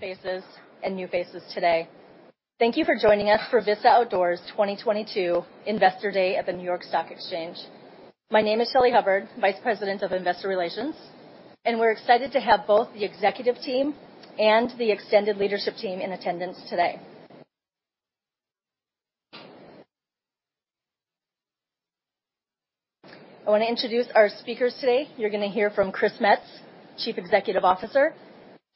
Many familiar faces and new faces today. Thank you for joining us for Vista Outdoor's 2022 Investor Day at the New York Stock Exchange. My name is Shelly Hubbard, Vice President of Investor Relations, and we're excited to have both the executive team and the extended leadership team in attendance today. I wanna introduce our speakers today. You're gonna hear from Chris Metz, Chief Executive Officer,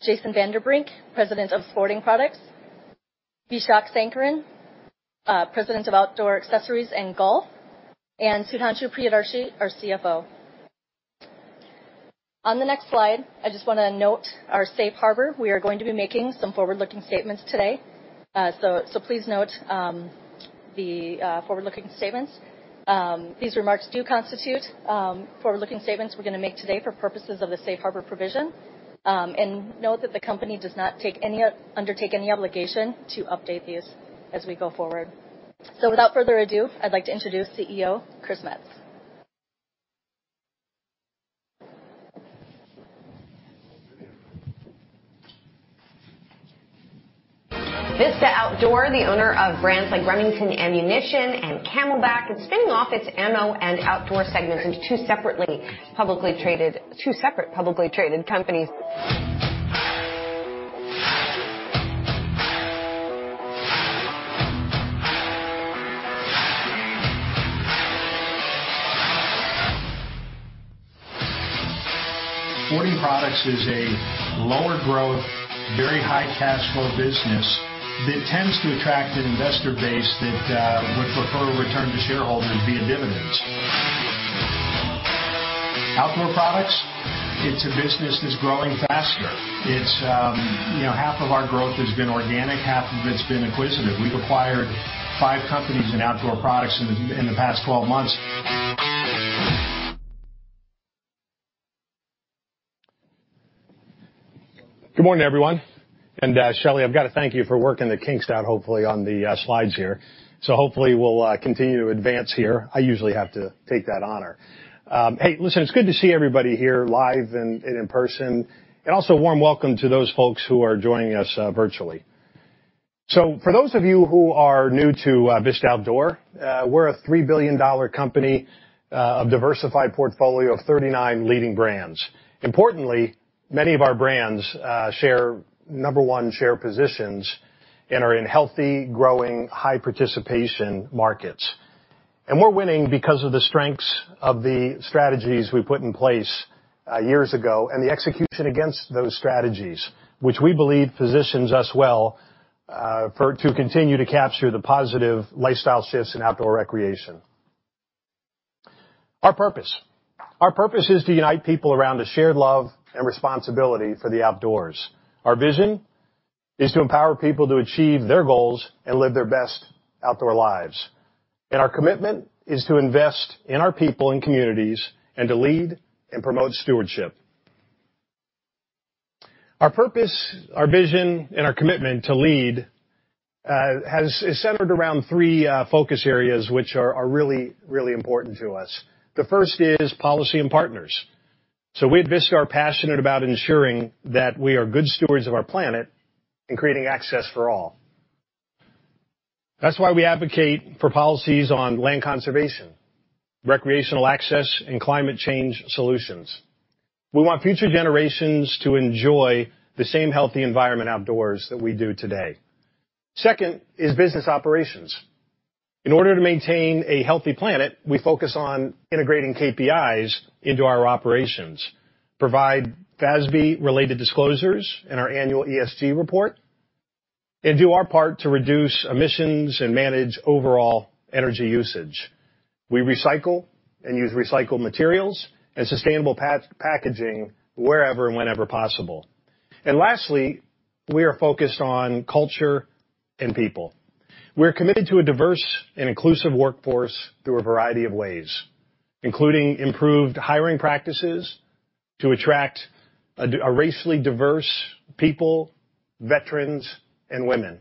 Jason Vanderbrink, President of Sporting Products, Vishak Sankaran, President of Outdoor Accessories and Golf, and Sudhanshu Priyadarshi, our CFO. On the next slide, I just wanna note our safe harbor. We are going to be making some forward-looking statements today. Please note the forward-looking statements. These remarks do constitute forward-looking statements we're gonna make today for purposes of the safe harbor provision. Note that the company does not undertake any obligation to update these as we go forward. Without further ado, I'd like to introduce CEO, Chris Metz. Vista Outdoor, the owner of brands like Remington Ammunition and CamelBak, is spinning off its ammo and outdoor segments into two separate publicly traded companies. Sporting Products is a lower growth, very high cash flow business that tends to attract an investor base that would prefer a return to shareholders via dividends. Outdoor Products, it's a business that's growing faster. It's, you know, half of our growth has been organic, half of it's been acquisitive. We've acquired 5 companies in Outdoor Products in the past 12 months. Good morning, everyone. Shelley, I've got to thank you for working the kinks out, hopefully, on the slides here. Hopefully, we'll continue to advance here. I usually have to take that honor. Hey, listen, it's good to see everybody here live and in person. Also, a warm welcome to those folks who are joining us virtually. For those of you who are new to Vista Outdoor, we're a $3 billion company, a diversified portfolio of 39 leading brands. Importantly, many of our brands share number one share positions and are in healthy, growing, high participation markets. We're winning because of the strengths of the strategies we put in place years ago and the execution against those strategies, which we believe positions us well to continue to capture the positive lifestyle shifts in outdoor recreation. Our purpose is to unite people around a shared love and responsibility for the outdoors. Our vision is to empower people to achieve their goals and live their best outdoor lives. Our commitment is to invest in our people and communities and to lead and promote stewardship. Our purpose, our vision, and our commitment to lead is centered around three focus areas, which are really, really important to us. The first is policy and partners. We at Vista are passionate about ensuring that we are good stewards of our planet and creating access for all. That's why we advocate for policies on land conservation, recreational access, and climate change solutions. We want future generations to enjoy the same healthy environment outdoors that we do today. Second is business operations. In order to maintain a healthy planet, we focus on integrating KPIs into our operations, provide FASB-related disclosures in our annual ESG report, and do our part to reduce emissions and manage overall energy usage. We recycle and use recycled materials and sustainable packaging wherever and whenever possible. Lastly, we are focused on culture and people. We're committed to a diverse and inclusive workforce through a variety of ways, including improved hiring practices to attract a racially diverse people, veterans, and women.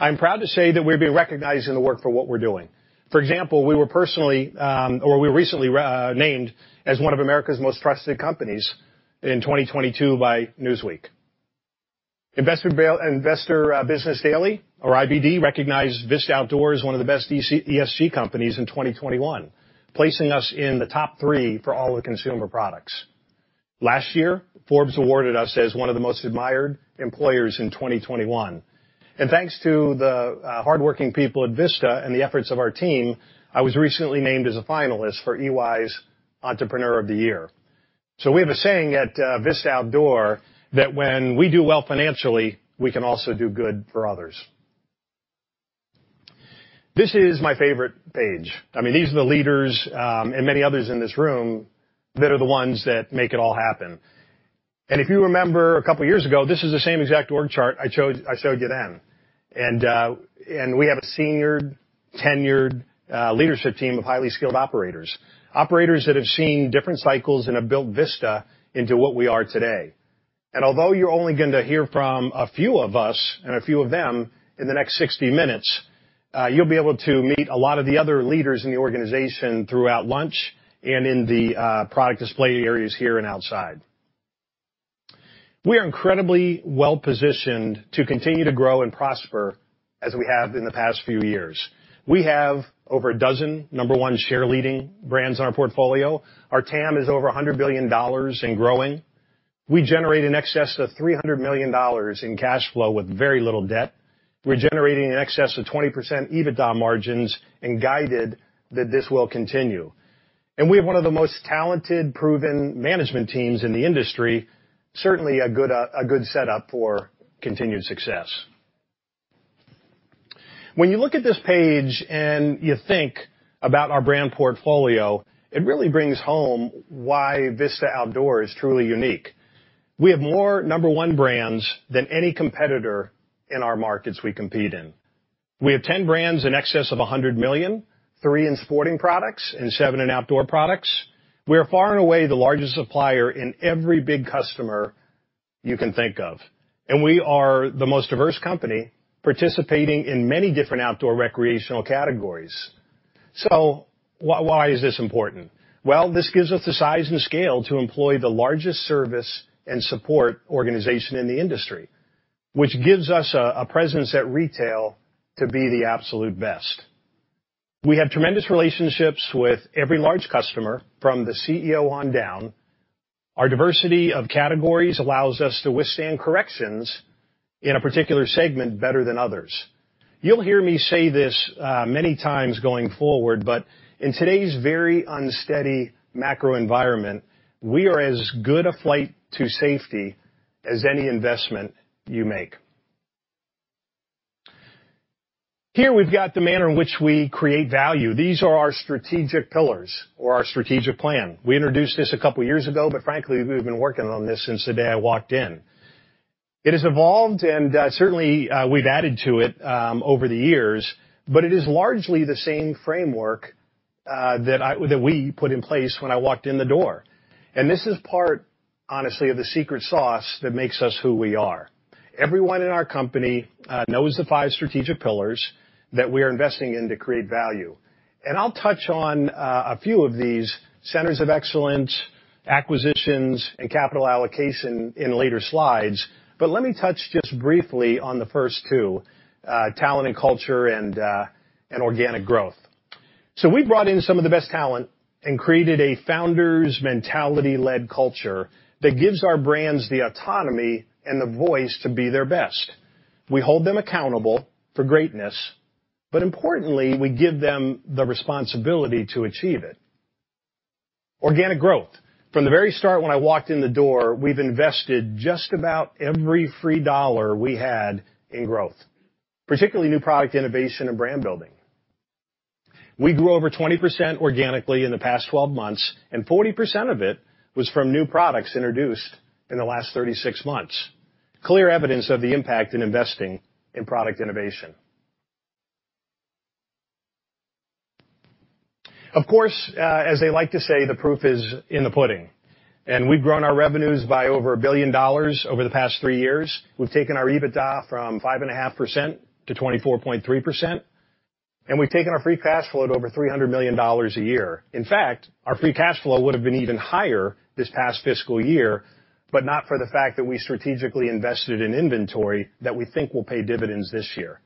I'm proud to say that we're being recognized in the world for what we're doing. For example, we were personally, or we were recently named as one of America's most trusted companies in 2022 by Newsweek. Investor's Business Daily or IBD recognized Vista Outdoor as one of the best ESG companies in 2021, placing us in the top three for all the consumer products. Last year, Forbes awarded us as one of the most admired employers in 2021. Thanks to the hardworking people at Vista and the efforts of our team, I was recently named as a finalist for EY's Entrepreneur of the Year. We have a saying at Vista Outdoor that when we do well financially, we can also do good for others. This is my favorite page. I mean, these are the leaders and many others in this room that are the ones that make it all happen. If you remember a couple years ago, this is the same exact org chart I chose, I showed you then. We have a senior tenured leadership team of highly skilled operators that have seen different cycles and have built Vista into what we are today. Although you're only going to hear from a few of us and a few of them in the next 60 minutes, you'll be able to meet a lot of the other leaders in the organization throughout lunch and in the product display areas here and outside. We are incredibly well-positioned to continue to grow and prosper as we have in the past few years. We have over a dozen number one share leading brands in our portfolio. Our TAM is over $100 billion and growing. We generate in excess of $300 million in cash flow with very little debt. We're generating in excess of 20% EBITDA margins and guided that this will continue. We have one of the most talented, proven management teams in the industry, certainly a good setup for continued success. When you look at this page and you think about our brand portfolio, it really brings home why Vista Outdoor is truly unique. We have more number one brands than any competitor in our markets we compete in. We have 10 brands in excess of $100 million, three in sporting products, and seven in outdoor products. We are far and away the largest supplier in every big customer you can think of, and we are the most diverse company participating in many different outdoor recreational categories. Why, why is this important? Well, this gives us the size and scale to employ the largest service and support organization in the industry, which gives us a presence at retail to be the absolute best. We have tremendous relationships with every large customer from the CEO on down. Our diversity of categories allows us to withstand corrections in a particular segment better than others. You'll hear me say this many times going forward, but in today's very unsteady macro environment, we are as good a flight to safety as any investment you make. Here we've got the manner in which we create value. These are our strategic pillars or our strategic plan. We introduced this a couple years ago, but frankly, we've been working on this since the day I walked in. It has evolved, and certainly we've added to it over the years, but it is largely the same framework that we put in place when I walked in the door. This is part, honestly, of the secret sauce that makes us who we are. Everyone in our company knows the five strategic pillars that we are investing in to create value. I'll touch on a few of these centers of excellence, acquisitions, and capital allocation in later slides, but let me touch just briefly on the first two, talent and culture and organic growth. We brought in some of the best talent and created a founder's mentality-led culture that gives our brands the autonomy and the voice to be their best. We hold them accountable for greatness, but importantly, we give them the responsibility to achieve it. Organic growth. From the very start when I walked in the door, we've invested just about every free dollar we had in growth, particularly new product innovation and brand building. We grew over 20% organically in the past 12 months, and 40% of it was from new products introduced in the last 36 months. Clear evidence of the impact in investing in product innovation. Of course, as they like to say, the proof is in the pudding, and we've grown our revenues by over $1 billion over the past three years. W've taken our EBITDA from 5.5% to 24.3%, and we've taken our free cash flow to over $300 million a year. In fact, our free cash flow would've been even higher this past fiscal year, but not for the fact that we strategically invested in inventory that we think will pay dividends this year.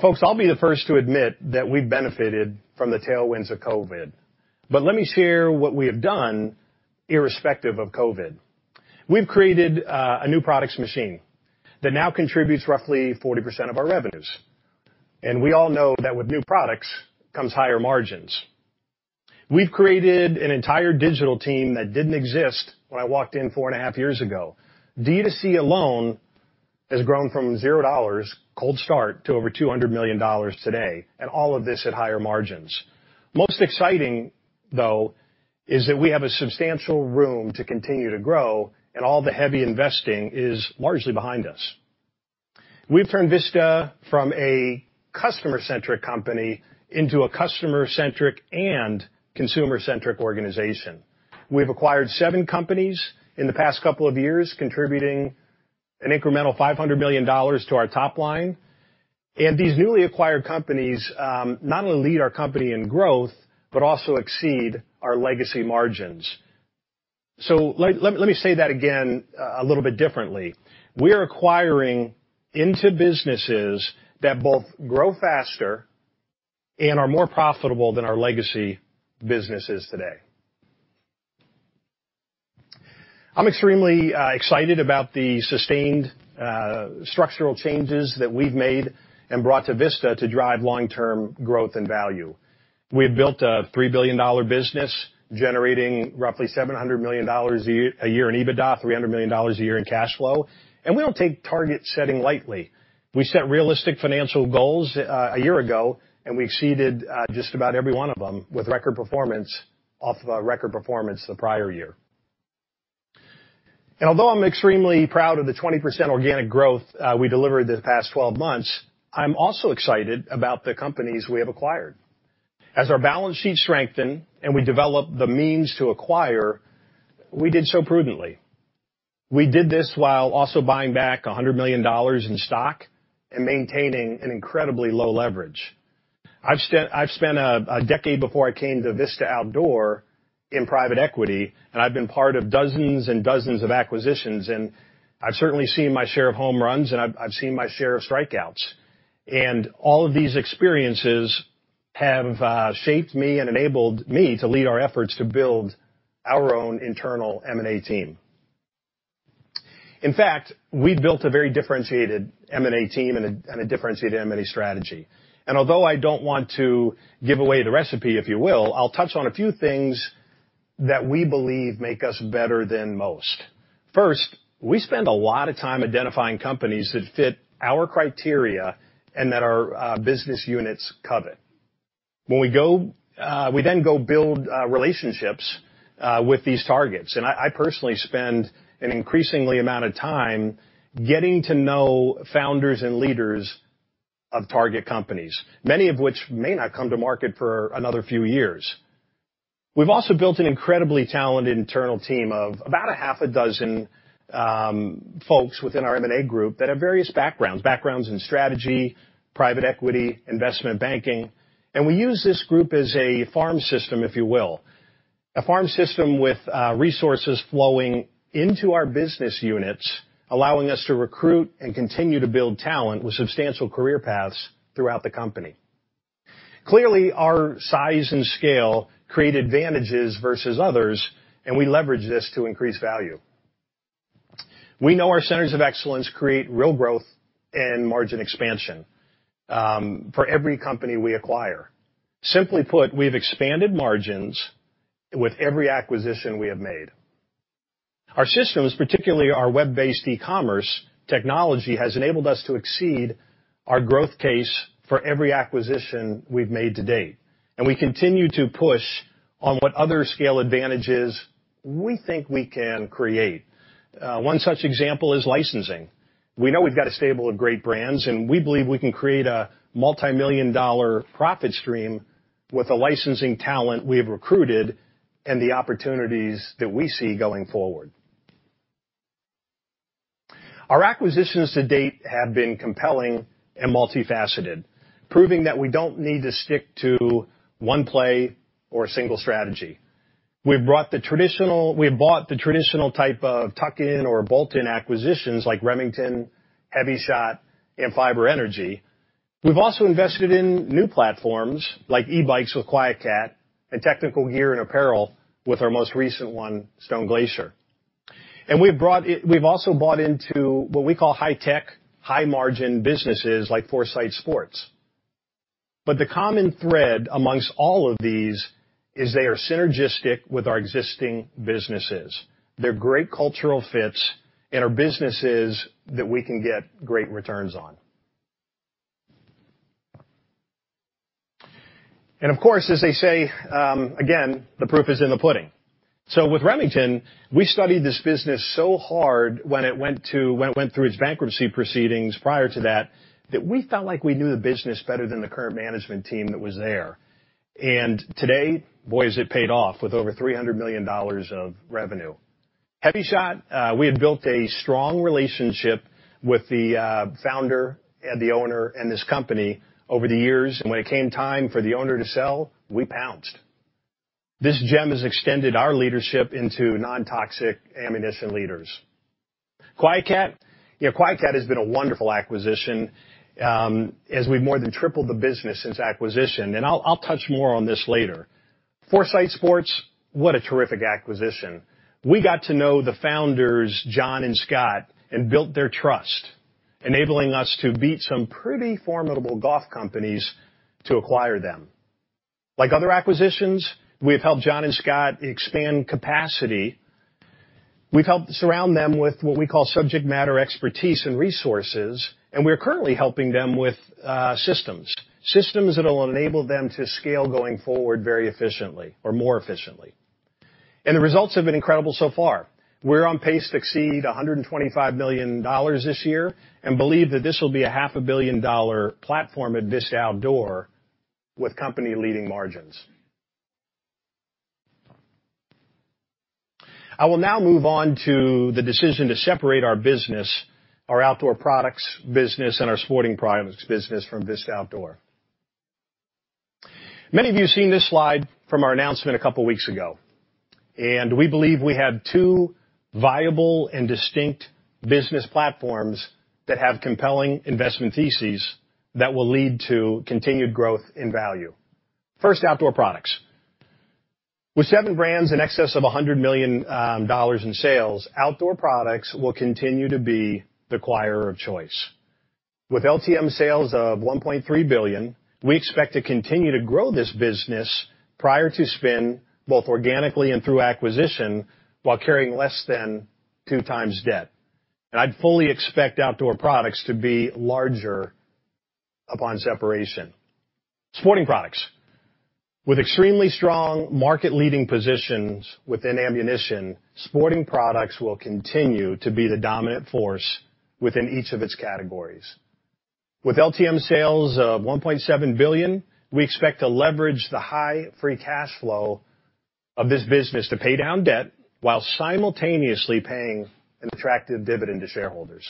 Folks, I'll be the first to admit that we've benefited from the tailwinds of COVID, but let me share what we have done irrespective of COVID. We've created a new products machine that now contributes roughly 40% of our revenues, and we all know that with new products comes higher margins. We've created an entire digital team that didn't exist when I walked in four and a half years ago. D2C alone has grown from $0, cold start, to over $200 million today, and all of this at higher margins. Most exciting, though, is that we have a substantial room to continue to grow, and all the heavy investing is largely behind us. We've turned Vista from a customer-centric company into a customer-centric and consumer-centric organization. We've acquired seven companies in the past couple of years, contributing an incremental $500 million to our top line. These newly acquired companies not only lead our company in growth but also exceed our legacy margins. Let me say that again a little bit differently. We are acquiring into businesses that both grow faster and are more profitable than our legacy businesses today. I'm extremely excited about the sustained structural changes that we've made and brought to Vista to drive long-term growth and value. We have built a $3 billion business generating roughly $700 million a year in EBITDA, $300 million a year in cash flow, and we don't take target-setting lightly. We set realistic financial goals a year ago, and we exceeded just about every one of them with record performance off of a record performance the prior year. Although I'm extremely proud of the 20% organic growth we delivered the past twelve months, I'm also excited about the companies we have acquired. As our balance sheet strengthened and we developed the means to acquire, we did so prudently. We did this while also buying back $100 million in stock and maintaining an incredibly low leverage. I've spent a decade before I came to Vista Outdoor in private equity, and I've been part of dozens and dozens of acquisitions, and I've certainly seen my share of home runs and I've seen my share of strikeouts. All of these experiences have shaped me and enabled me to lead our efforts to build our own internal M&A team. In fact, we built a very differentiated M&A team and a differentiated M&A strategy. Although I don't want to give away the recipe, if you will, I'll touch on a few things that we believe make us better than most. First, we spend a lot of time identifying companies that fit our criteria and that our business units covet. When we go, we then go build relationships with these targets. I personally spend an increasing amount of time getting to know founders and leaders of target companies, many of which may not come to market for another few years. We've also built an incredibly talented internal team of about six folks within our M&A group that have various backgrounds. Backgrounds in strategy, private equity, investment banking. We use this group as a farm system, if you will. A farm system with resources flowing into our business units, allowing us to recruit and continue to build talent with substantial career paths throughout the company. Clearly, our size and scale create advantages versus others, and we leverage this to increase value. We know our centers of excellence create real growth and margin expansion for every company we acquire. Simply put, we've expanded margins with every acquisition we have made. Our systems, particularly our web-based e-commerce technology, has enabled us to exceed our growth case for every acquisition we've made to date, and we continue to push on what other scale advantages we think we can create. One such example is licensing. We know we've got a stable of great brands, and we believe we can create a multimillion-dollar profit stream with the licensing talent we have recruited and the opportunities that we see going forward. Our acquisitions to date have been compelling and multifaceted, proving that we don't need to stick to one play or a single strategy. We've bought the traditional type of tuck-in or bolt-on acquisitions like Remington, HEVI-Shot, and Fiber Energy. We've also invested in new platforms like e-bikes with QuietKat and technical gear and apparel with our most recent one, Stone Glacier. We've also bought into what we call high tech, high margin businesses like Foresight Sports. The common thread amongst all of these is they are synergistic with our existing businesses. They're great cultural fits and are businesses that we can get great returns on. Of course, as they say, again, the proof is in the pudding. With Remington, we studied this business so hard when it went through its bankruptcy proceedings prior to that we felt like we knew the business better than the current management team that was there. Today, boy has it paid off with over $300 million of revenue. HEVI-Shot, we had built a strong relationship with the founder and the owner and this company over the years, and when it came time for the owner to sell, we pounced. This gem has extended our leadership into non-toxic ammunition leaders. QuietKat? Yeah, QuietKat has been a wonderful acquisition, as we've more than tripled the business since acquisition, and I'll touch more on this later. Foresight Sports, what a terrific acquisition. We got to know the founders, John and Scott, and built their trust, enabling us to beat some pretty formidable golf companies to acquire them. Like other acquisitions, we've helped John and Scott expand capacity. We've helped surround them with what we call subject matter expertise and resources, and we are currently helping them with systems. Systems that will enable them to scale going forward very efficiently or more efficiently. The results have been incredible so far. We're on pace to exceed $125 million this year and believe that this will be a half a billion-dollar platform at Vista Outdoor with company-leading margins. I will now move on to the decision to separate our business, our Outdoor Products business, and our Sporting Products business from Vista Outdoor. Many of you have seen this slide from our announcement a couple weeks ago, and we believe we have two viable and distinct business platforms that have compelling investment theses that will lead to continued growth in value. First, Outdoor Products. With seven brands in excess of 100 million dollars in sales, Outdoor Products will continue to be the acquirer of choice. With LTM sales of $1.3 billion, we expect to continue to grow this business prior to spin, both organically and through acquisition, while carrying less than 2x debt. I'd fully expect Outdoor Products to be larger upon separation. Sporting Products. With extremely strong market-leading positions within ammunition, Sporting Products will continue to be the dominant force within each of its categories. With LTM sales of $1.7 billion, we expect to leverage the high free cash flow of this business to pay down debt while simultaneously paying an attractive dividend to shareholders.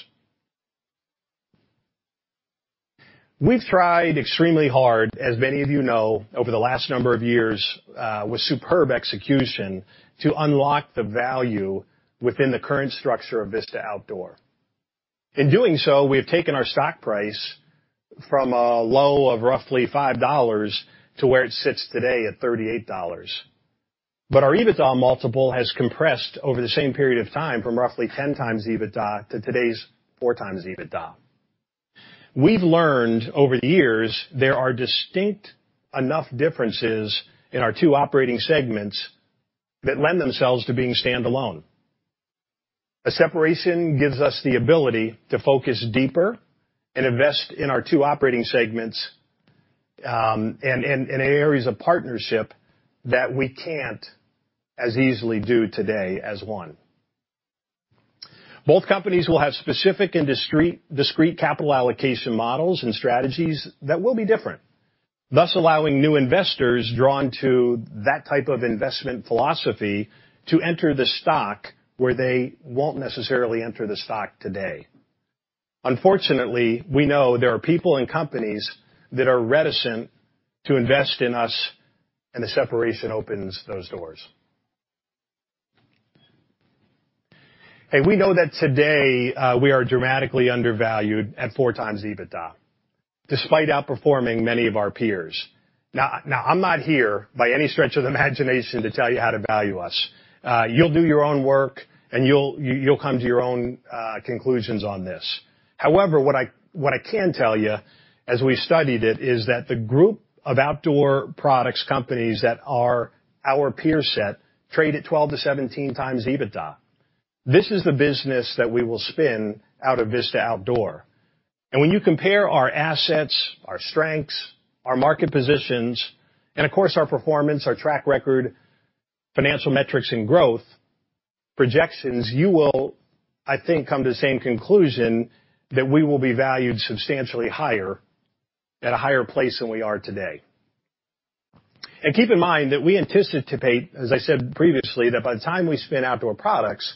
We've tried extremely hard, as many of you know, over the last number of years, with superb execution to unlock the value within the current structure of Vista Outdoor. In doing so, we have taken our stock price from a low of roughly $5 to where it sits today at $38. Our EBITDA multiple has compressed over the same period of time from roughly 10x EBITDA to today's 4x EBITDA. We've learned over the years there are distinct enough differences in our two operating segments that lend themselves to being standalone. A separation gives us the ability to focus deeper and invest in our two operating segments and in areas of partnership that we can't as easily do today as one. Both companies will have industry-specific, discrete capital allocation models and strategies that will be different, thus allowing new investors drawn to that type of investment philosophy to enter the stock where they won't necessarily enter the stock today. Unfortunately, we know there are people and companies that are reticent to invest in us, and the separation opens those doors. We know that today, we are dramatically undervalued at 4x EBITDA, despite outperforming many of our peers. Now, I'm not here by any stretch of the imagination to tell you how to value us. You'll do your own work, and you'll come to your own conclusions on this. However, what I can tell you as we studied it is that the group of Outdoor Products companies that are our peer set trade at 12-17 times EBITDA. This is the business that we will spin out of Vista Outdoor. When you compare our assets, our strengths, our market positions, and of course, our performance, our track record, financial metrics and growth projections, you will, I think, come to the same conclusion that we will be valued substantially higher at a higher place than we are today. Keep in mind that we anticipate, as I said previously, that by the time we spin Outdoor Products,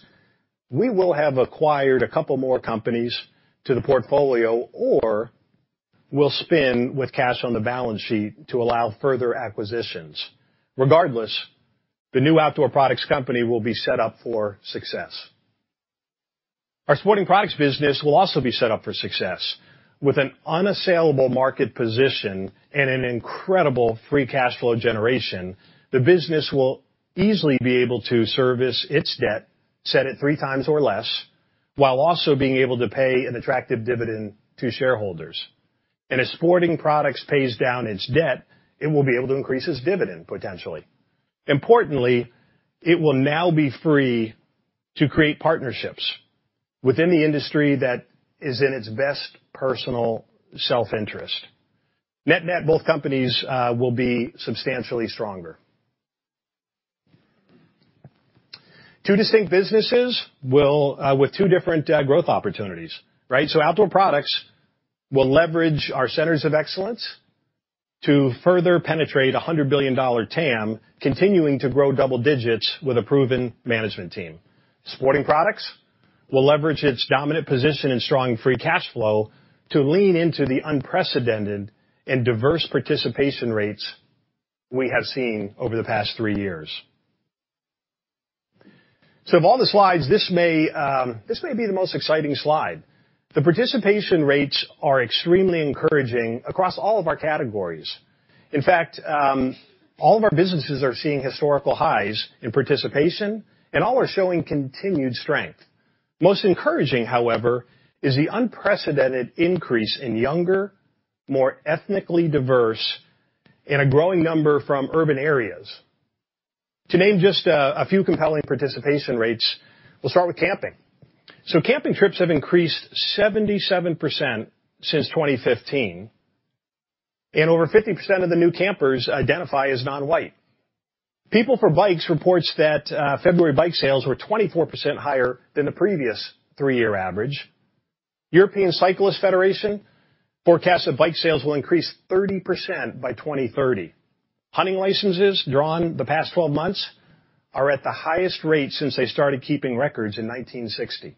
we will have acquired a couple more companies to the portfolio, or we'll spin with cash on the balance sheet to allow further acquisitions. Regardless, the new Outdoor Products company will be set up for success. Our Sporting Products business will also be set up for success with an unassailable market position and an incredible free cash flow generation. The business will easily be able to service its debt, set at 3x or less, while also being able to pay an attractive dividend to shareholders. As Sporting Products pays down its debt, it will be able to increase its dividend potentially. Importantly, it will now be free to create partnerships within the industry that is in its best personal self-interest. Net-net, both companies will be substantially stronger. Two distinct businesses with two different growth opportunities, right? Outdoor Products will leverage our centers of excellence to further penetrate a $100 billion TAM, continuing to grow double digits with a proven management team. Sporting Products will leverage its dominant position and strong free cash flow to lean into the unprecedented and diverse participation rates we have seen over the past three years. Of all the slides, this may be the most exciting slide. The participation rates are extremely encouraging across all of our categories. In fact, all of our businesses are seeing historical highs in participation, and all are showing continued strength. Most encouraging, however, is the unprecedented increase in younger, more ethnically diverse, and a growing number from urban areas. To name just a few compelling participation rates, we'll start with camping. Camping trips have increased seven7% since 2015, and over 50% of the new campers identify as non-white. PeopleForBikes reports that February bike sales were 24% higher than the previous three-year average. European Cyclists' Federation forecasts that bike sales will increase 30% by 2030. Hunting licenses drawn the past 12 months are at the highest rate since they started keeping records in 1960.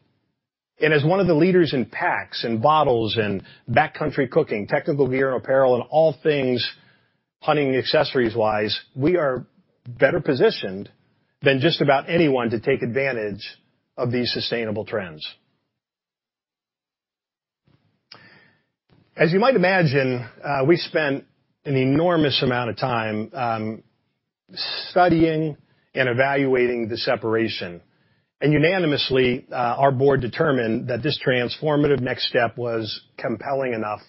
As one of the leaders in packs, in bottles, in backcountry cooking, technical gear, apparel, and all things hunting accessories-wise, we are better positioned than just about anyone to take advantage of these sustainable trends. As you might imagine, we spent an enormous amount of time studying and evaluating the separation. Unanimously, our board determined that this transformative next step was compelling enough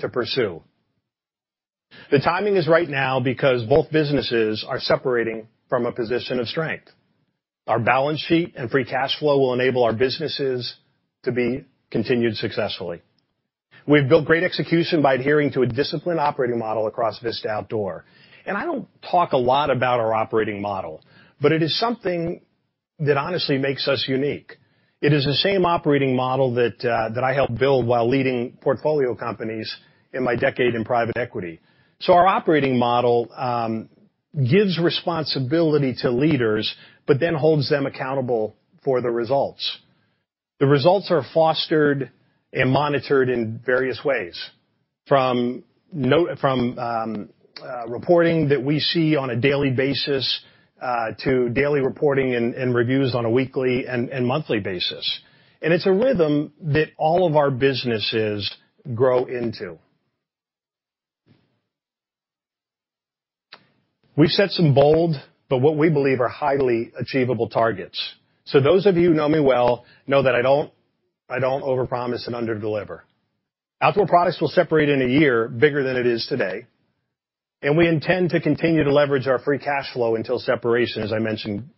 to pursue. The timing is right now because both businesses are separating from a position of strength. Our balance sheet and free cash flow will enable our businesses to be continued successfully. We've built great execution by adhering to a disciplined operating model across Vista Outdoor. I don't talk a lot about our operating model, but it is something that honestly makes us unique. It is the same operating model that I helped build while leading portfolio companies in my decade in private equity. Our operating model gives responsibility to leaders, but then holds them accountable for the results. The results are fostered and monitored in various ways, from reporting that we see on a daily basis to daily reporting and reviews on a weekly and monthly basis. It's a rhythm that all of our businesses grow into. We've set some bold, but what we believe are highly achievable targets. Those of you who know me well know that I don't overpromise and under-deliver. Outdoor Products will separate in a year bigger than it is today, and we intend to continue to leverage our free cash flow until separation, as I mentioned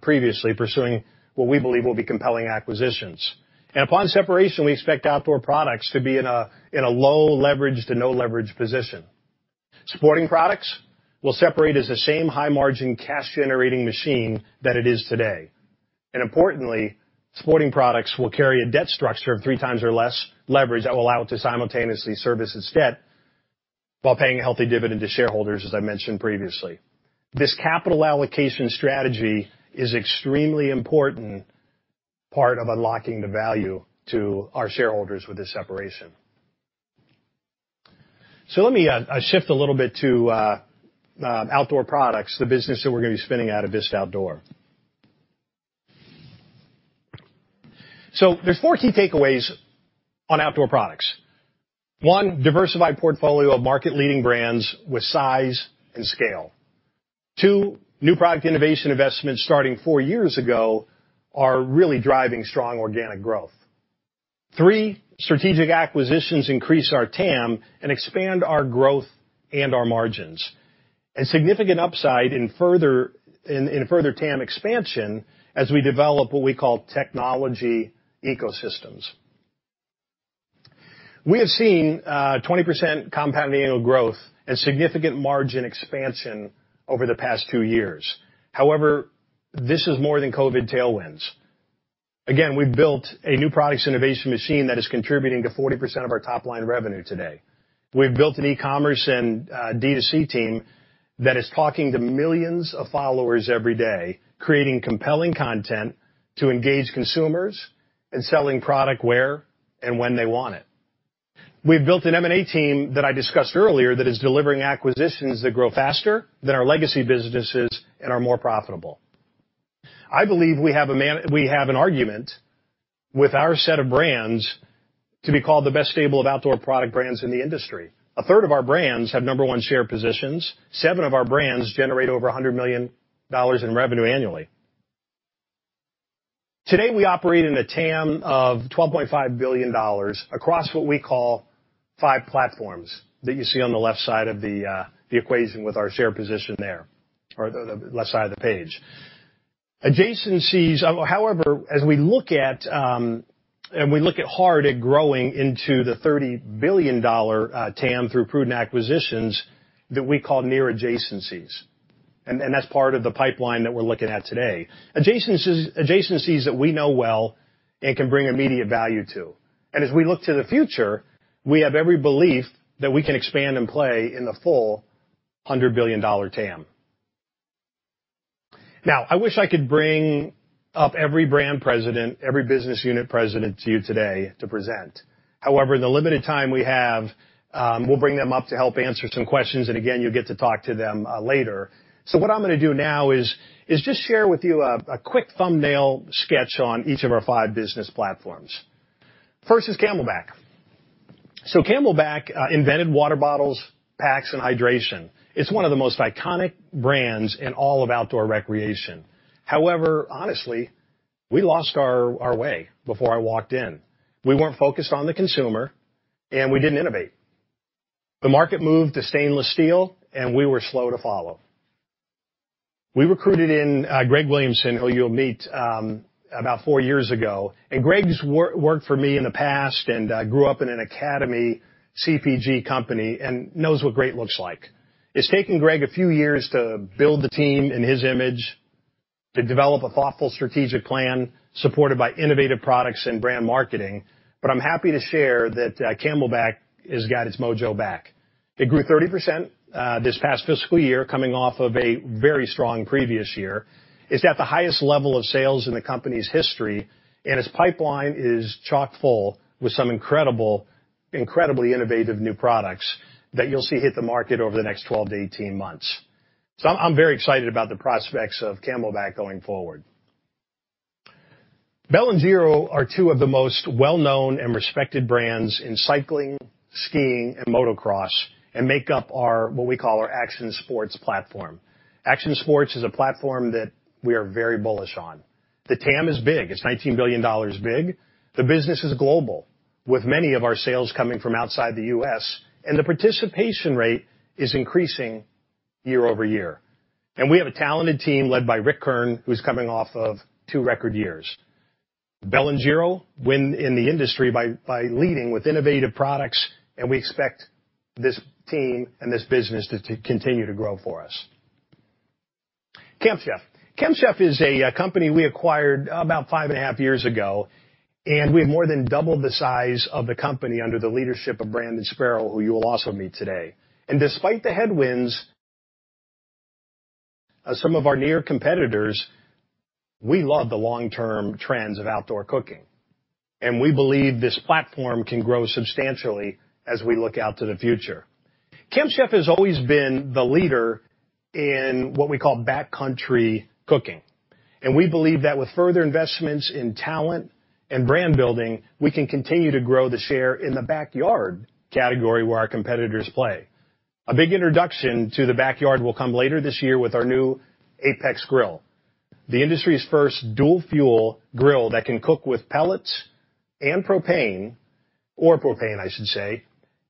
previously, pursuing what we believe will be compelling acquisitions. Upon separation, we expect Outdoor Products to be in a low leverage to no leverage position. Sporting Products will separate as the same high-margin, cash-generating machine that it is today. Importantly, Sporting Products will carry a debt structure of three times or less leverage that will allow it to simultaneously service its debt while paying a healthy dividend to shareholders, as I mentioned previously. This capital allocation strategy is extremely important part of unlocking the value to our shareholders with this separation. Let me shift a little bit to Outdoor Products, the business that we're gonna be spinning out of Vista Outdoor. There's four key takeaways on Outdoor Products. One, diversified portfolio of market-leading brands with size and scale. Two, new product innovation investments starting four years ago are really driving strong organic growth. Three, strategic acquisitions increase our TAM and expand our growth and our margins. Significant upside in further TAM expansion as we develop what we call technology ecosystems. We have seen 20% compounding annual growth and significant margin expansion over the past two years. However, this is more than COVID tailwinds. Again, we've built a new products innovation machine that is contributing to 40% of our top-line revenue today. We've built an e-commerce and D2C team that is talking to millions of followers every day, creating compelling content to engage consumers and selling product where and when they want it. We've built an M&A team that I discussed earlier that is delivering acquisitions that grow faster than our legacy businesses and are more profitable. I believe we have an argument with our set of brands to be called the best stable of outdoor product brands in the industry. A third of our brands have number one share positions. seven of our brands generate over $100 million in revenue annually. Today, we operate in a TAM of $12.5 billion across what we call 5 platforms that you see on the left side of the equation with our share position there, or the left side of the page. Adjacencies, however, as we look hard at growing into the $30 billion TAM through prudent acquisitions that we call near adjacencies. That's part of the pipeline that we're looking at today. Adjacencies that we know well and can bring immediate value to. As we look to the future, we have every belief that we can expand and play in the full $100 billion TAM. Now, I wish I could bring up every brand president, every business unit president to you today to present. However, in the limited time we have, we'll bring them up to help answer some questions, and again, you'll get to talk to them later. What I'm gonna do now is just share with you a quick thumbnail sketch on each of our five business platforms. First is CamelBak. CamelBak invented water bottles, packs, and hydration. It's one of the most iconic brands in all of outdoor recreation. However, honestly, we lost our way before I walked in. We weren't focused on the consumer, and we didn't innovate. The market moved to stainless steel, and we were slow to follow. We recruited Greg Williamson, who you'll meet about four years ago. Greg's worked for me in the past and grew up in an ad agency CPG company and knows what great looks like. It's taken Greg a few years to build the team in his image, to develop a thoughtful strategic plan supported by innovative products and brand marketing, but I'm happy to share that CamelBak has got its mojo back. It grew 30% this past fiscal year, coming off of a very strong previous year. It's at the highest level of sales in the company's history, and its pipeline is chock-full with some incredibly innovative new products that you'll see hit the market over the next 12-18 months. I'm very excited about the prospects of CamelBak going forward. Bell and Giro are two of the most well-known and respected brands in cycling, skiing, and motocross, and make up our, what we call our action sports platform. Action sports is a platform that we are very bullish on. The TAM is big. It's $19 billion big. The business is global, with many of our sales coming from outside the U.S., and the participation rate is increasing year-over-year. We have a talented team led by Ric Kern, who's coming off of two record years. Bell & Giro, winning in the industry by leading with innovative products, and we expect this team and this business to continue to grow for us. Camp Chef. Camp Chef is a company we acquired about five and a half years ago, and we have more than doubled the size of the company under the leadership of Brandon Sparrow, who you will also meet today. Despite the headwinds of some of our peer competitors, we love the long-term trends of outdoor cooking. We believe this platform can grow substantially as we look out to the future. Camp Chef has always been the leader in what we call backcountry cooking. We believe that with further investments in talent and brand building, we can continue to grow the share in the backyard category where our competitors play. A big introduction to the backyard will come later this year with our new Apex Grill, the industry's first dual-fuel grill that can cook with pellets and propane, or propane, I should say.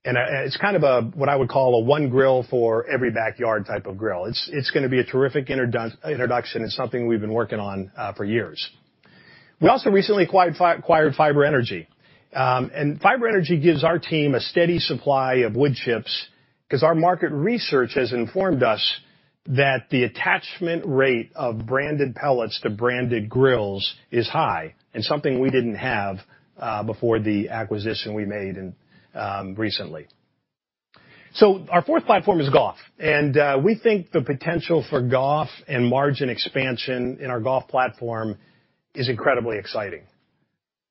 It's kind of a, what I would call a one grill for every backyard type of grill. It's gonna be a terrific introduction. It's something we've been working on for years. We also recently acquired Fiber Energy. Fiber Energy gives our team a steady supply of wood chips because our market research has informed us that the attachment rate of branded pellets to branded grills is high and something we didn't have before the acquisition we made recently. Our fourth platform is golf, and we think the potential for golf and margin expansion in our golf platform is incredibly exciting.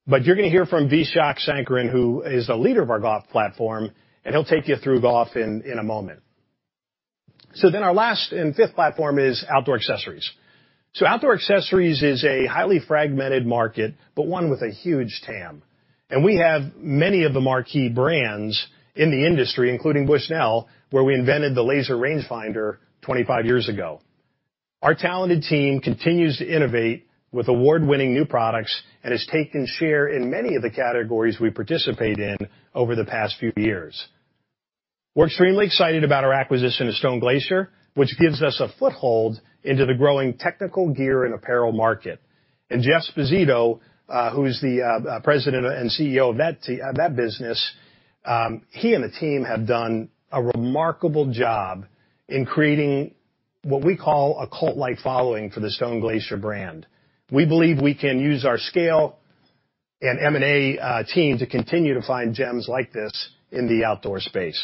You're gonna hear from Vishak Sankaran, who is the leader of our golf platform, and he'll take you through golf in a moment. Our last and fifth platform is outdoor accessories. Outdoor accessories is a highly fragmented market, but one with a huge TAM. We have many of the marquee brands in the industry, including Bushnell, where we invented the laser rangefinder 25 years ago. Our talented team continues to innovate with award-winning new products and has taken share in many of the categories we participate in over the past few years. We're extremely excited about our acquisition of Stone Glacier, which gives us a foothold into the growing technical gear and apparel market. Jeff Sposito, who is the President and CEO of that business, he and the team have done a remarkable job in creating what we call a cult-like following for the Stone Glacier brand. We believe we can use our scale and M&A team to continue to find gems like this in the outdoor space.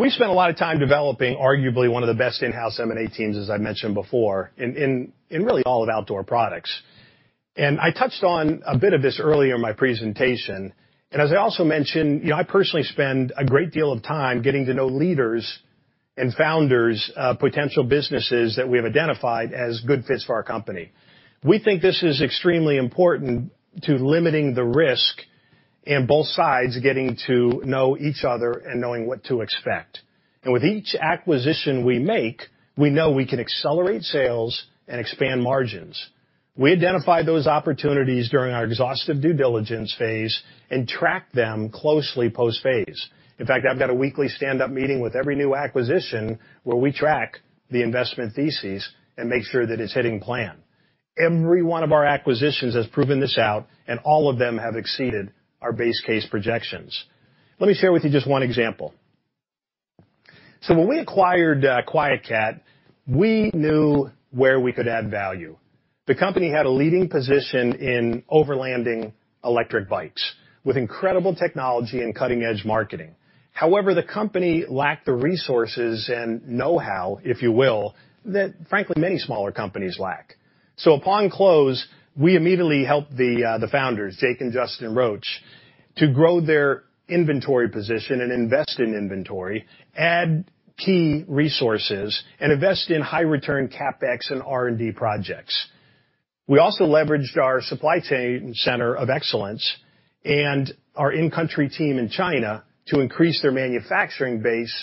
We spent a lot of time developing arguably one of the best in-house M&A teams, as I mentioned before, in really all of outdoor products. I touched on a bit of this earlier in my presentation. As I also mentioned, you know, I personally spend a great deal of time getting to know leaders and founders of potential businesses that we have identified as good fits for our company. We think this is extremely important to limiting the risk and both sides getting to know each other and knowing what to expect. With each acquisition we make, we know we can accelerate sales and expand margins. We identify those opportunities during our exhaustive due diligence phase and track them closely post-phase. In fact, I've got a weekly stand-up meeting with every new acquisition where we track the investment thesis and make sure that it's hitting plan. Every one of our acquisitions has proven this out, and all of them have exceeded our base case projections. Let me share with you just one example. When we acquired QuietKat, we knew where we could add value. The company had a leading position in overlanding electric bikes with incredible technology and cutting-edge marketing. However, the company lacked the resources and know-how, if you will, that frankly many smaller companies lack. Upon close, we immediately helped the founders, Jake and Justin Roach, to grow their inventory position and invest in inventory, add key resources, and invest in high-return CapEx and R&D projects. We also leveraged our supply chain center of excellence and our in-country team in China to increase their manufacturing base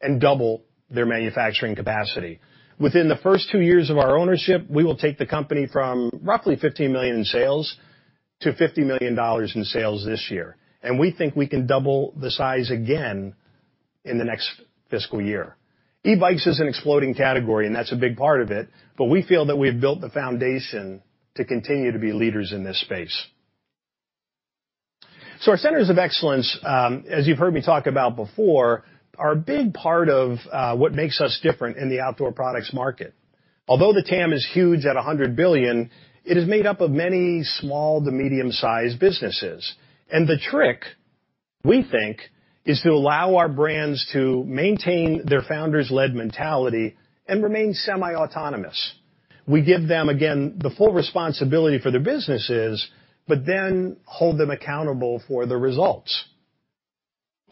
and double their manufacturing capacity. Within the first two years of our ownership, we will take the company from roughly $15 million in sales to $50 million in sales this year. We think we can double the size again in the next fiscal year. E-bikes is an exploding category, and that's a big part of it, but we feel that we have built the foundation to continue to be leaders in this space. Our centers of excellence, as you've heard me talk about before, are a big part of what makes us different in the outdoor products market. Although the TAM is huge at $100 billion, it is made up of many small to medium-sized businesses. The trick, we think, is to allow our brands to maintain their founders-led mentality and remain semi-autonomous. We give them, again, the full responsibility for their businesses but then hold them accountable for the results.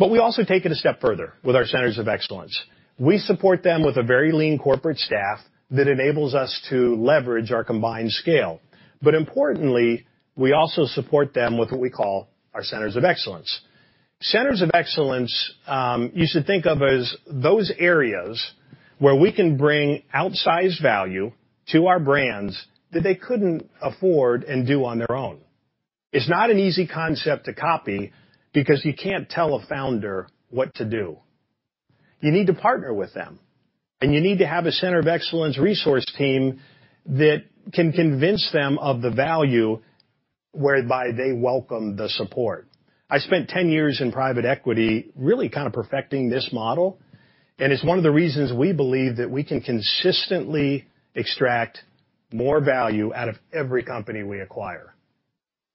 We also take it a step further with our centers of excellence. We support them with a very lean corporate staff that enables us to leverage our combined scale. Importantly, we also support them with what we call our centers of excellence. Centers of excellence, you should think of as those areas where we can bring outsized value to our brands that they couldn't afford and do on their own. It's not an easy concept to copy because you can't tell a founder what to do. You need to partner with them, and you need to have a center of excellence resource team that can convince them of the value whereby they welcome the support. I spent 10 years in private equity really kind of perfecting this model, and it's one of the reasons we believe that we can consistently extract more value out of every company we acquire.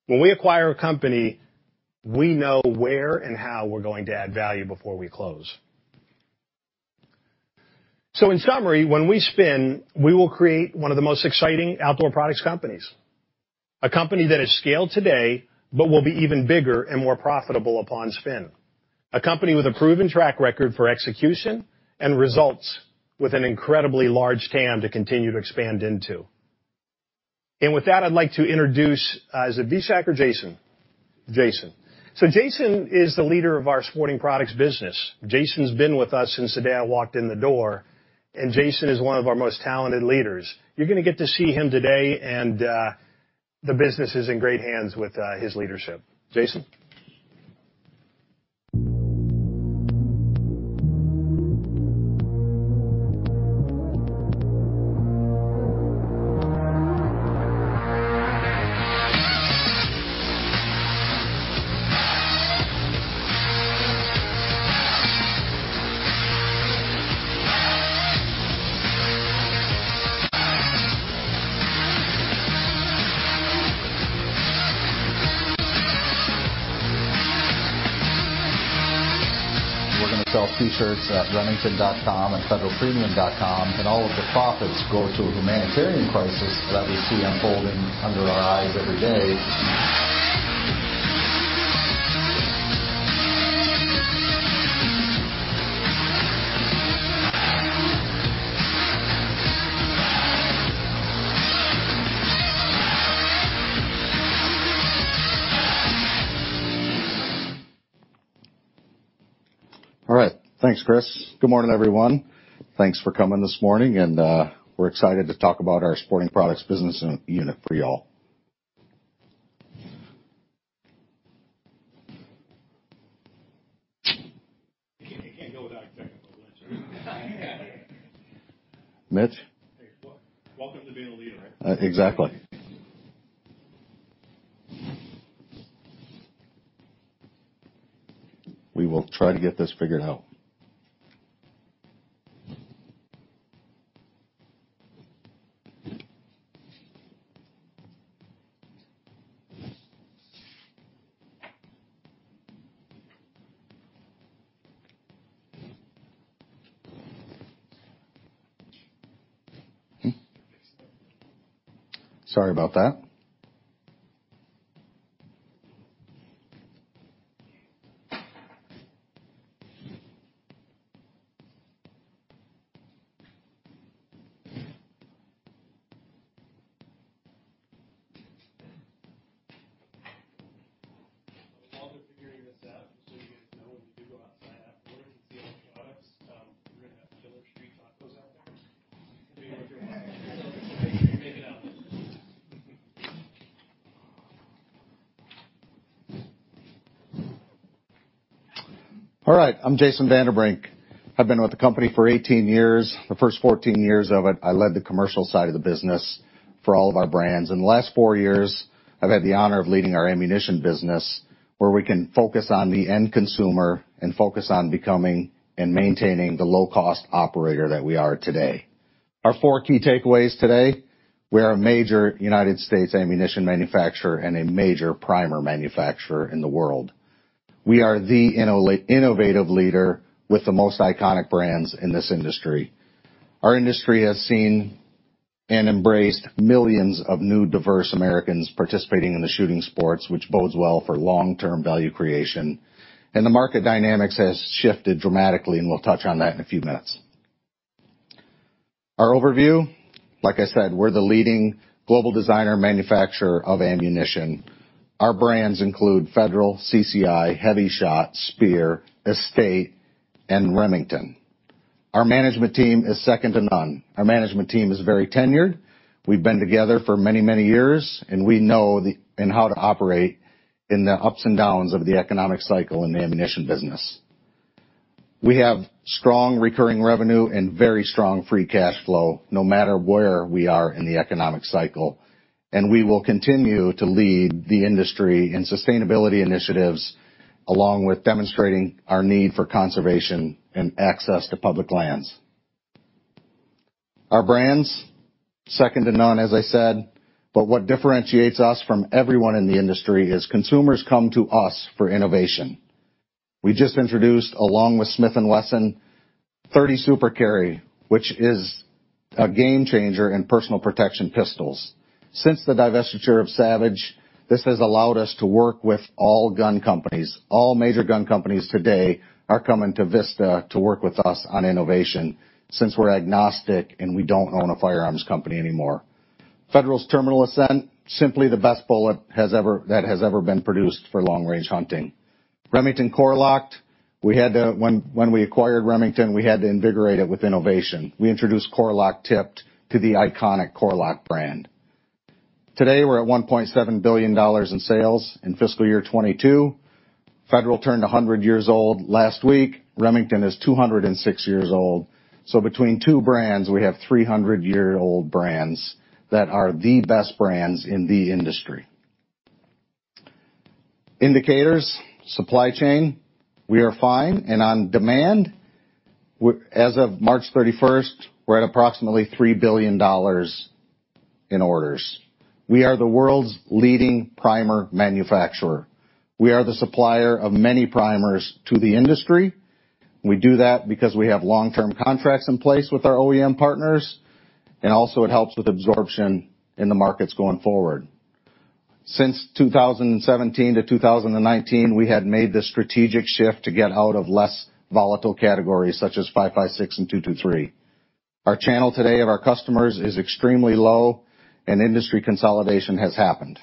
When we acquire a company, we know where and how we're going to add value before we close. In summary, when we spin, we will create one of the most exciting outdoor products companies. A company that is scaled today but will be even bigger and more profitable upon spin. A company with a proven track record for execution and results, with an incredibly large TAM to continue to expand into. With that, I'd like to introduce. Is it Vishak or Jason? Jason. So Jason is the leader of our sporting products business. Jason's been with us since the day I walked in the door, and Jason is one of our most talented leaders. You're gonna get to see him today, and the business is in great hands with his leadership. Jason. We're gonna sell T-shirts at remington.com and federalpremium.com, and all of the profits go to a humanitarian crisis that we see unfolding under our eyes every day. All right. Thanks, Chris. Good morning, everyone. Thanks for coming this morning, and we're excited to talk about our Sporting Products business unit for y'all. You can't go without technical glitch. Mitch? Hey, welcome to being a leader. Exactly. We will try to get this figured out. Sorry about that. While they're figuring this out, just so you guys know, when we do go outside afterwards and see all the products, we're gonna have Killer Street Tacos out there. Make it out. All right. I'm Jason Vanderbrink. I've been with the company for 18 years. The first 14 years of it, I led the commercial side of the business for all of our brands. In the last four years, I've had the honor of leading our ammunition business, where we can focus on the end consumer and focus on becoming and maintaining the low-cost operator that we are today. Our four key takeaways today, we're a major United States ammunition manufacturer and a major primer manufacturer in the world. We are the innovative leader with the most iconic brands in this industry. Our industry has seen and embraced millions of new diverse Americans participating in the shooting sports, which bodes well for long-term value creation. The market dynamics has shifted dramatically, and we'll touch on that in a few minutes. Our overview, like I said, we're the leading global designer and manufacturer of ammunition. Our brands include Federal, CCI, HEVI-Shot, Speer, Estate, and Remington. Our management team is second to none. Our management team is very tenured. We've been together for many, many years, and we know how to operate in the ups and downs of the economic cycle in the ammunition business. We have strong recurring revenue and very strong free cash flow, no matter where we are in the economic cycle. We will continue to lead the industry in sustainability initiatives, along with demonstrating our need for conservation and access to public lands. Our brands, second to none, as I said, but what differentiates us from everyone in the industry is consumers come to us for innovation. We just introduced, along with Smith & Wesson, 30 Super Carry, which is a game changer in personal protection pistols. Since the divestiture of Savage, this has allowed us to work with all gun companies. All major gun companies today are coming to Vista to work with us on innovation since we're agnostic and we don't own a firearms company anymore. Federal's Terminal Ascent, simply the best bullet that has ever been produced for long-range hunting. Remington Core-Lokt. When we acquired Remington, we had to invigorate it with innovation. We introduced Core-Lokt Tipped to the iconic Core-Lokt brand. Today, we're at $1.7 billion in sales in fiscal year 2022. Federal turned 100 years old last week. Remington is 206 years old. Between two brands, we have 300-year-old brands that are the best brands in the industry. Indicators, supply chain, we are fine. On demand, we're at approximately $3 billion in orders. We are the world's leading primer manufacturer. We are the supplier of many primers to the industry. We do that because we have long-term contracts in place with our OEM partners, and also it helps with absorption in the markets going forward. Since 2017 to 2019, we had made the strategic shift to get out of less volatile categories such as 5.56 and .223. Our channel today of our customers is extremely low, and industry consolidation has happened.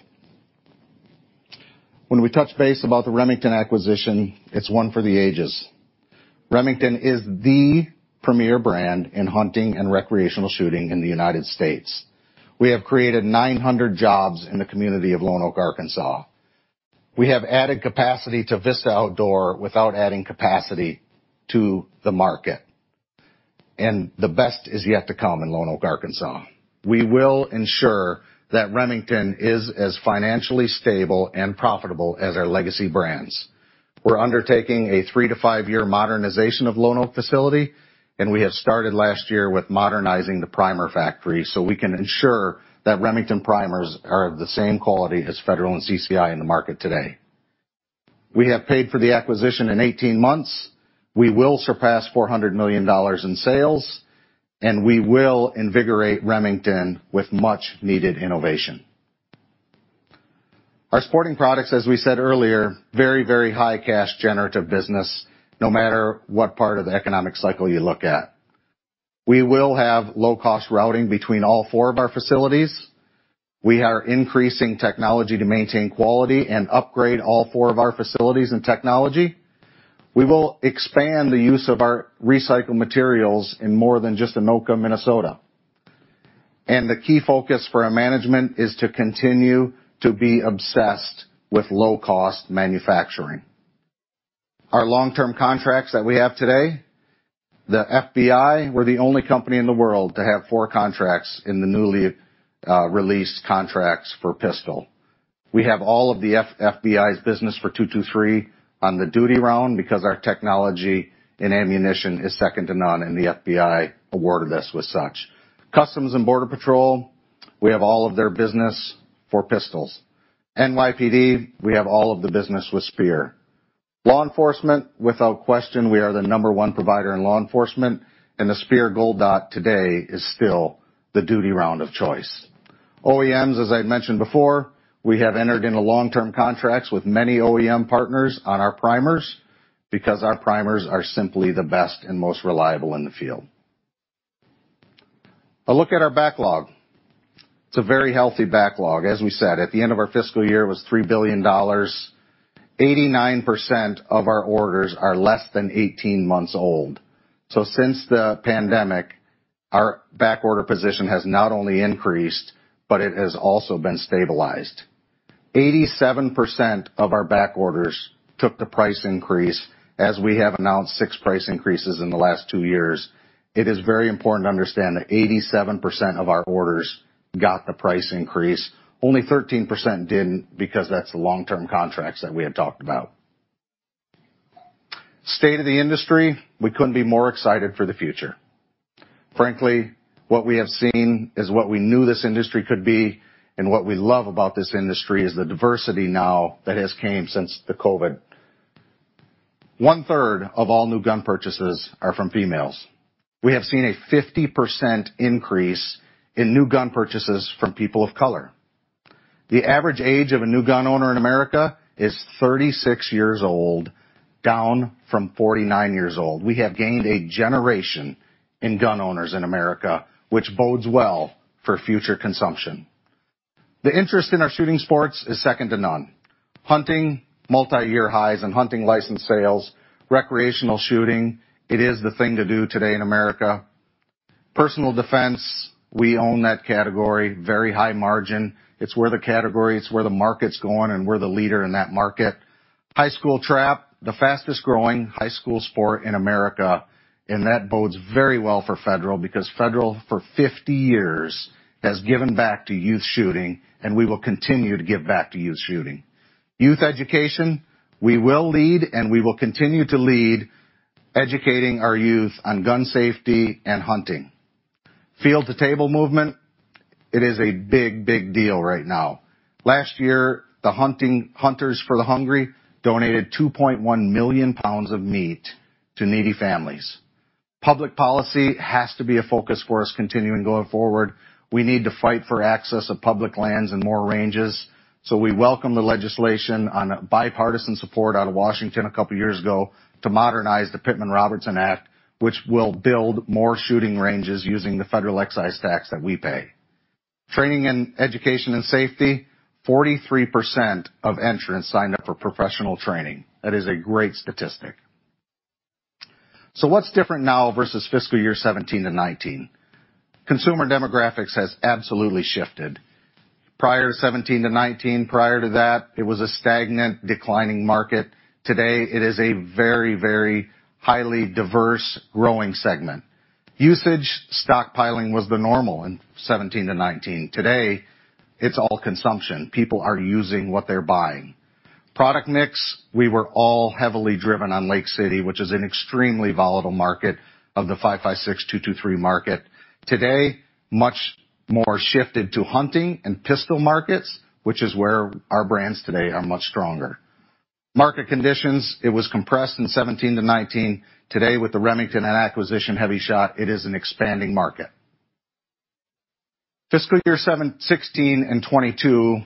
When we touch base about the Remington acquisition, it's one for the ages. Remington is the premier brand in hunting and recreational shooting in the United States. We have created 900 jobs in the community andf Lonoke, Arkansas. We have added capacity to Vista Outdoor without adding capacity to the market, and the best is yet to come in Lonoke, Arkansas. We will ensure that Remington is as financially stable and profitable as our legacy brands. We're undertaking a 3- to 5-year modernization of Lonoke facility, and we have started last year with modernizing the primer factory, so we can ensure that Remington primers are of the same quality as Federal and CCI in the market today. We have paid for the acquisition in 18 months. We will surpass $400 million in sales, and we will invigorate Remington with much needed innovation. Our sporting products, as we said earlier, very, very high cash generative business, no matter what part of the economic cycle you look at. We will have low cost routing between all four of our facilities. We are increasing technology to maintain quality and upgrade all four of our facilities and technology. We will expand the use of our recycled materials in more than just Anoka, Minnesota. The key focus for our management is to continue to be obsessed with low-cost manufacturing. Our long-term contracts that we have today, the FBI, we're the only company in the world to have four contracts in the newly released contracts for pistol. We have all of the FBI's business for .223 on the duty round because our technology and ammunition is second to none, and the FBI awarded us with such. U.S. Customs and Border Protection, we have all of their business for pistols. NYPD, we have all of the business with Speer. Law enforcement, without question, we are the number one provider in law enforcement, and the Speer Gold Dot today is still the duty round of choice. OEMs, as I mentioned before, we have entered into long-term contracts with many OEM partners on our primers because our primers are simply the best and most reliable in the field. A look at our backlog. It's a very healthy backlog. As we said, at the end of our fiscal year, it was $3 billion. 89% of our orders are less than 18 months old. Since the pandemic, our backorder position has not only increased, but it has also been stabilized. 87% of our backorders took the price increase, as we have announced 6 price increases in the last two years. It is very important to understand that 87% of our orders got the price increase. Only 13% didn't because that's the long-term contracts that we had talked about. The state of the industry, we couldn't be more excited for the future. Frankly, what we have seen is what we knew this industry could be, and what we love about this industry is the diversity now that has came since the COVID. One-third of all new gun purchases are from females. We have seen a 50% increase in new gun purchases from people of color. The average age of a new gun owner in America is 36 years old, down from 49 years old. We have gained a generation in gun owners in America, which bodes well for future consumption. The interest in our shooting sports is second to none. Hunting, multiyear highs in hunting license sales. Recreational shooting, it is the thing to do today in America. Personal defense, we own that category. Very high margin. It's where the category, it's where the market's going, and we're the leader in that market. High school trap, the fastest growing high school sport in America, and that bodes very well for Federal, because Federal, for 50 years, has given back to youth shooting, and we will continue to give back to youth shooting. Youth education, we will lead, and we will continue to lead, educating our youth on gun safety and hunting. Field to table movement, it is a big, big deal right now. Last year, the hunting, Hunters for the Hungry donated 2.1 million pounds of meat to needy families. Public policy has to be a focus for us continuing going forward. We need to fight for access of public lands and more ranges, so we welcome the legislation on bipartisan support out of Washington a couple years ago to modernize the Pittman-Robertson Act, which will build more shooting ranges using the Federal Excise Tax that we pay. Training and education and safety, 43% of entrants signed up for professional training. That is a great statistic. What's different now versus fiscal year 2017 to 2019? Consumer demographics has absolutely shifted. Prior to 2017 to 2019, prior to that, it was a stagnant, declining market. Today, it is a very, very highly diverse growing segment. Usage stockpiling was the normal in 2017 to 2019. Today, it's all consumption. People are using what they're buying. Product mix, we were all heavily driven on Lake City, which is an extremely volatile market of the 5.56 223 market. Today, much more shifted to hunting and pistol markets, which is where our brands today are much stronger. Market conditions, it was compressed in 2017-2019. Today, with the Remington and acquisition Hevi-Shot, it is an expanding market. Fiscal year 2016 and 2022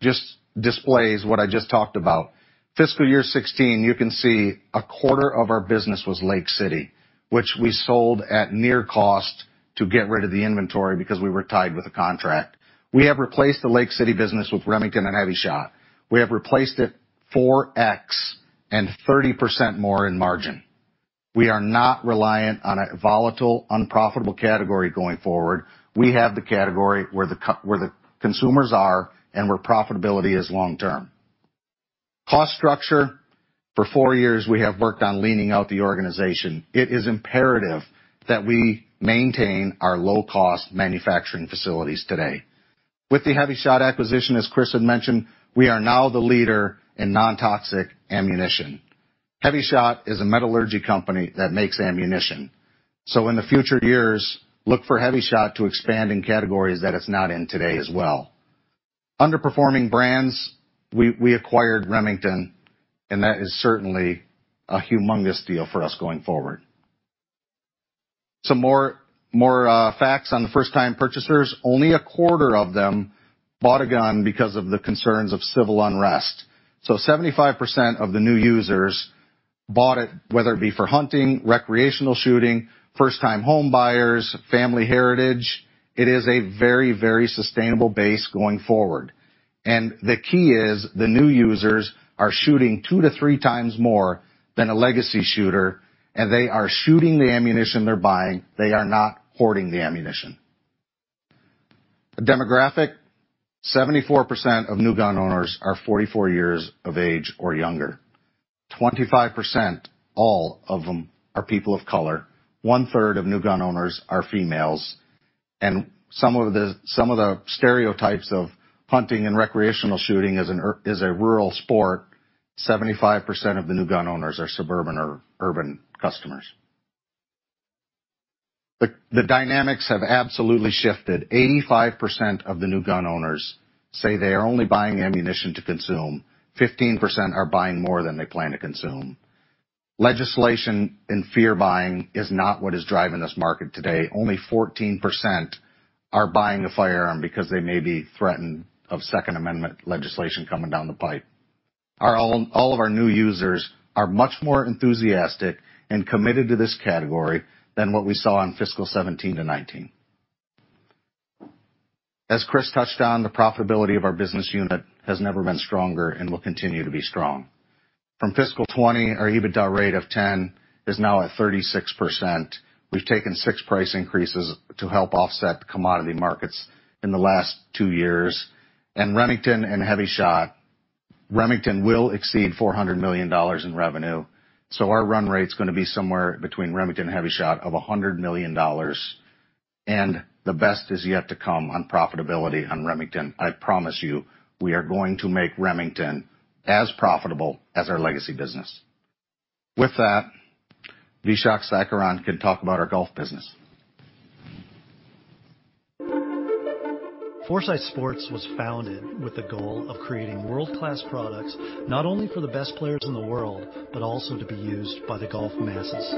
just displays what I just talked about. Fiscal year 2016, you can see a quarter of our business was Lake City, which we sold at near cost to get rid of the inventory because we were tied with a contract. We have replaced the Lake City business with Remington and HEVI-Shot. We have replaced it 4x and 30% more in margin. We are not reliant on a volatile, unprofitable category going forward. We have the category where the consumers are and where profitability is long term. Cost structure. For four years, we have worked on leaning out the organization. It is imperative that we maintain our low-cost manufacturing facilities today. With the Hevi-Shot acquisition, as Chris had mentioned, we are now the leader in non-toxic ammunition. Hevi-Shot is a metallurgy company that makes ammunition. In the future years, look for Hevi-Shot to expand in categories that it's not in today as well. Underperforming brands, we acquired Remington, and that is certainly a humongous deal for us going forward. Some more facts on the first-time purchasers. Only a quarter of them bought a gun because of the concerns of civil unrest. seven5% of the new users bought it, whether it be for hunting, recreational shooting, first-time home buyers, family heritage. It is a very sustainable base going forward. The key is the new users are shooting 2-3 times more than a legacy shooter, and they are shooting the ammunition they're buying. They are not hoarding the ammunition. A demographic, seven4% of new gun owners are 44 years of age or younger. 25%, all of them, are people of color. One-third of new gun owners are females. Some of the stereotypes of hunting and recreational shooting is a rural sport, seven5% of the new gun owners are suburban or urban customers. The dynamics have absolutely shifted. 85% of the new gun owners say they are only buying ammunition to consume. 15% are buying more than they plan to consume. Legislation and fear buying is not what is driving this market today. Only 14% are buying a firearm because they may be threatened of Second Amendment legislation coming down the pipe. Our own all of our new users are much more enthusiastic and committed to this category than what we saw in fiscal 2017 to 2019. As Chris touched on, the profitability of our business unit has never been stronger and will continue to be strong. From fiscal 2020, our EBITDA rate of 10% is now at 36%. We've taken 6 price increases to help offset the commodity markets in the last two years. Remington and HEVI-Shot, Remington will exceed $400 million in revenue. Our run rate's gonna be somewhere between Remington and HE-Shot of $100 million, and the best is yet to come on profitability on Remington. I promise you, we are going to make Remington as profitable as our legacy business. With that, Vishak Sankaran can talk about our golf business. Foresight Sports was founded with the goal of creating world-class products, not only for the best players in the world, but also to be used by the golf masses.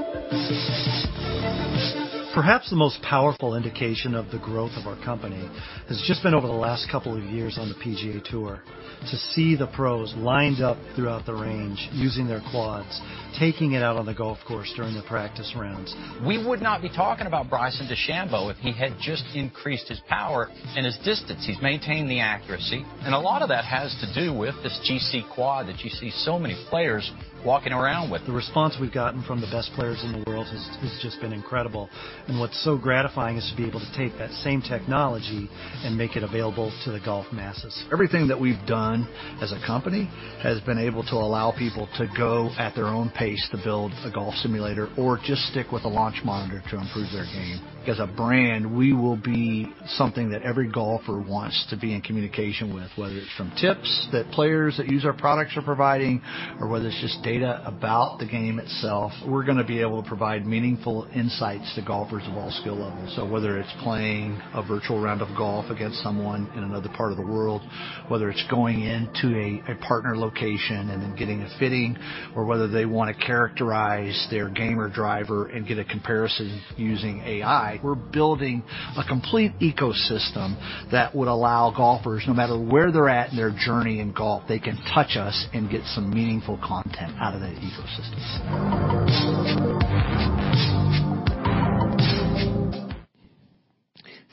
Perhaps the most powerful indication of the growth of our company has just been over the last couple of years on the PGA Tour to see the pros lined up throughout the range, using their Quads, taking it out on the golf course during the practice rounds. We would not be talking about Bryson DeChambeau if he had just increased his power and his distance. He's maintained the accuracy, and a lot of that has to do with this GCQuad that you see so many players walking around with. The response we've gotten from the best players in the world has just been incredible, and what's so gratifying is to be able to take that same technology and make it available to the golf masses. Everything that we've done as a company has been able to allow people to go at their own pace to build a golf simulator or just stick with a launch monitor to improve their game. As a brand, we will be something that every golfer wants to be in communication with, whether it's from tips that players that use our products are providing or whether it's just data about the game itself. We're gonna be able to provide meaningful insights to golfers of all skill levels. Whether it's playing a virtual round of golf against someone in another part of the world, whether it's going into a partner location and then getting a fitting, or whether they wanna characterize their game or driver and get a comparison using AI, we're building a complete ecosystem that would allow golfers, no matter where they're at in their journey in golf, they can touch us and get some meaningful content out of that ecosystem.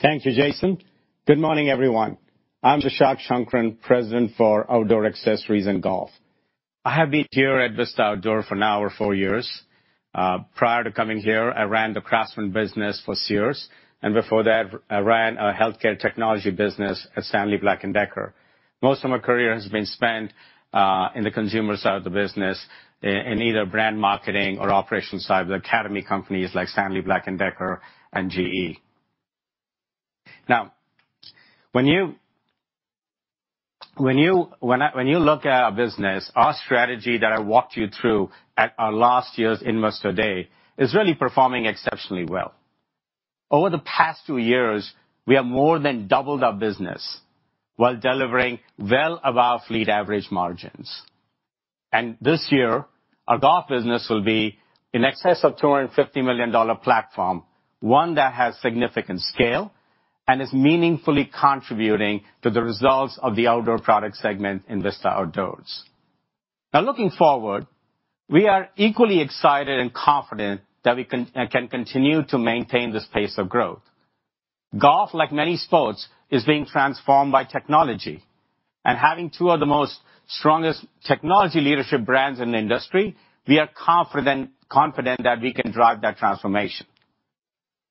Thank you, Jason. Good morning, everyone. I'm Vishak Sankaran, President, Outdoor Accessories & Golf. I have been here at Vista Outdoor for now over four years. Prior to coming here, I ran the Craftsman business for Sears, and before that, I ran a healthcare technology business at Stanley Black & Decker. Most of my career has been spent in the consumer side of the business in either brand marketing or operations side at companies like Stanley Black & Decker and GE. Now, when you look at our business, our strategy that I walked you through at our last year's Investor Day is really performing exceptionally well. Over the past two years, we have more than doubled our business while delivering well above fleet average margins. This year, our golf business will be in excess of $250 million-dollar platform, one that has significant scale and is meaningfully contributing to the results of the Outdoor Products segment in Vista Outdoor. Now looking forward, we are equally excited and confident that we can continue to maintain this pace of growth. Golf, like many sports, is being transformed by technology. Having two of the most strongest technology leadership brands in the industry, we are confident that we can drive that transformation.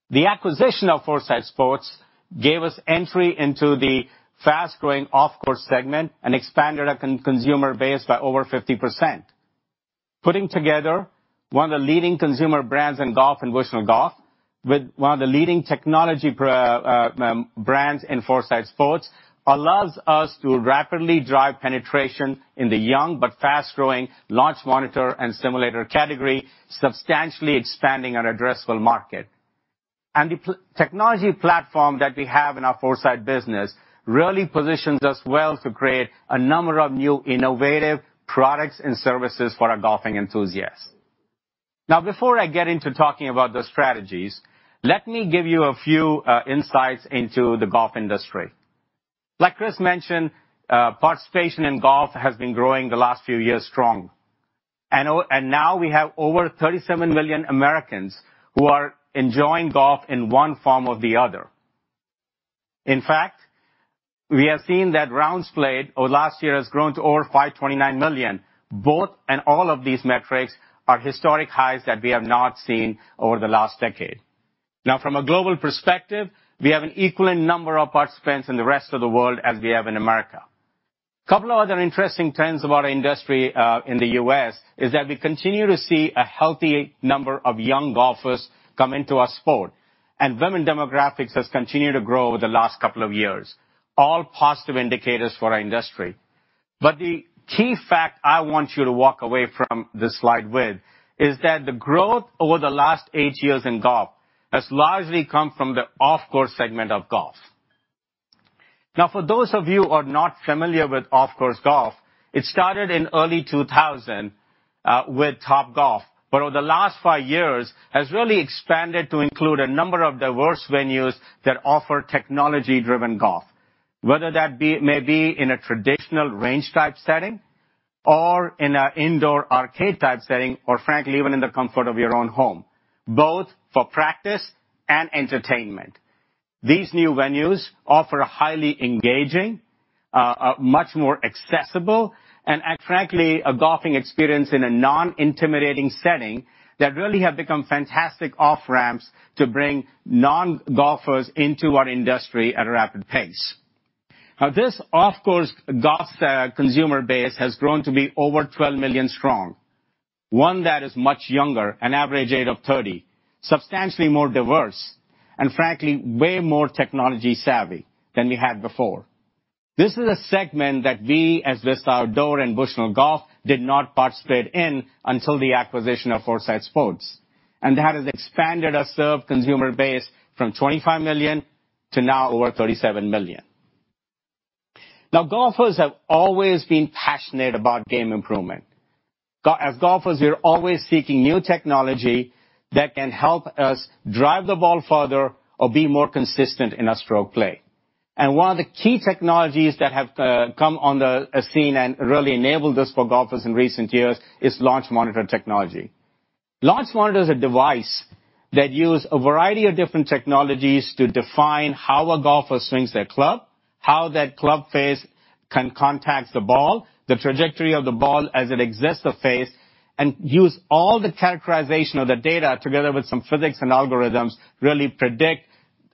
The acquisition of Foresight Sports gave us entry into the fast-growing off-course segment and expanded our consumer base by over 50%. Putting together one of the leading consumer brands in golf in Bushnell Golf with one of the leading technology brands in Foresight Sports allows us to rapidly drive penetration in the young but fast-growing launch monitor and simulator category, substantially expanding our addressable market. The technology platform that we have in our Foresight business really positions us well to create a number of new innovative products and services for our golfing enthusiasts. Now before I get into talking about the strategies, let me give you a few insights into the golf industry. Like Chris mentioned, participation in golf has been growing strongly the last few years. Now we have over 37 million Americans who are enjoying golf in one form or the other. In fact, we have seen that rounds played over last year has grown to over 529 million. Both and all of these metrics are historic highs that we have not seen over the last decade. Now from a global perspective, we have an equivalent number of participants in the rest of the world as we have in America. Couple of other interesting trends about our industry in the US is that we continue to see a healthy number of young golfers come into our sport, and women demographics has continued to grow over the last couple of years, all positive indicators for our industry. The key fact I want you to walk away from this slide with is that the growth over the last 8 years in golf has largely come from the off-course segment of golf. Now for those of you who are not familiar with off-course golf, it started in early 2000 with Topgolf. Over the last 5 years has really expanded to include a number of diverse venues that offer technology-driven golf, whether that be maybe in a traditional range type setting or in a indoor arcade type setting, or frankly, even in the comfort of your own home, both for practice and entertainment. These new venues offer a highly engaging, a much more accessible and frankly, a golfing experience in a non-intimidating setting that really have become fantastic off-ramps to bring non-golfers into our industry at a rapid pace. Now this off-course golf consumer base has grown to be over 12 million strong, one that is much younger, an average age of 30, substantially more diverse, and frankly, way more technology savvy than we had before. This is a segment that we, as Vista Outdoor and Bushnell Golf, did not participate in until the acquisition of Foresight Sports, and that has expanded our served consumer base from 25 million to now over 37 million. Now, golfers have always been passionate about game improvement. As golfers, we're always seeking new technology that can help us drive the ball further or be more consistent in our stroke play. One of the key technologies that have come on the scene and really enabled this for golfers in recent years is launch monitor technology. Launch monitor is a device that uses a variety of different technologies to define how a golfer swings their club, how that club face can contact the ball, the trajectory of the ball as it exits the face, and uses all the characterization of the data together with some physics and algorithms to really predict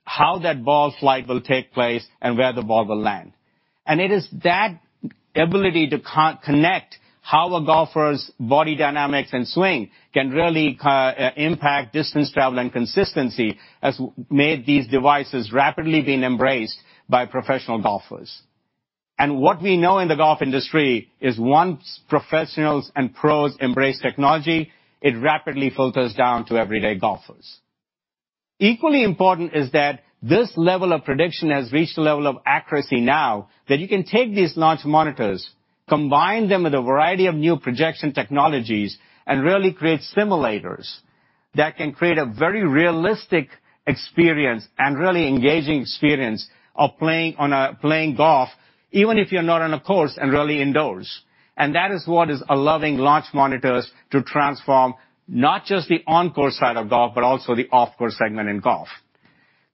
how that ball flight will take place and where the ball will land. It is that ability to connect how a golfer's body dynamics and swing can really impact distance travel and consistency that has made these devices rapidly being embraced by professional golfers. What we know in the golf industry is once professionals and pros embrace technology, it rapidly filters down to everyday golfers. Equally important is that this level of prediction has reached a level of accuracy now that you can take these launch monitors, combine them with a variety of new projection technologies, and really create simulators that can create a very realistic experience and really engaging experience of playing golf. Even if you're not on a course and really indoors, and that is what is allowing launch monitors to transform not just the on-course side of golf, but also the off-course segment in golf.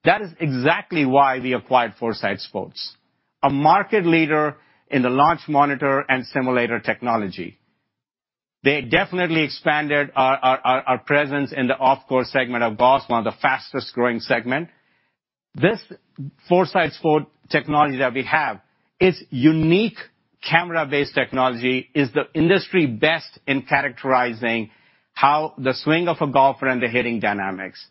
That is exactly why we acquired Foresight Sports, a market leader in the launch monitor and simulator technology. They definitely expanded our presence in the off-course segment of golf, one of the fastest-growing segment. This Foresight Sports technology that we have, its unique camera-based technology is the industry best in characterizing how the swing of a golfer and the hitting dynamics.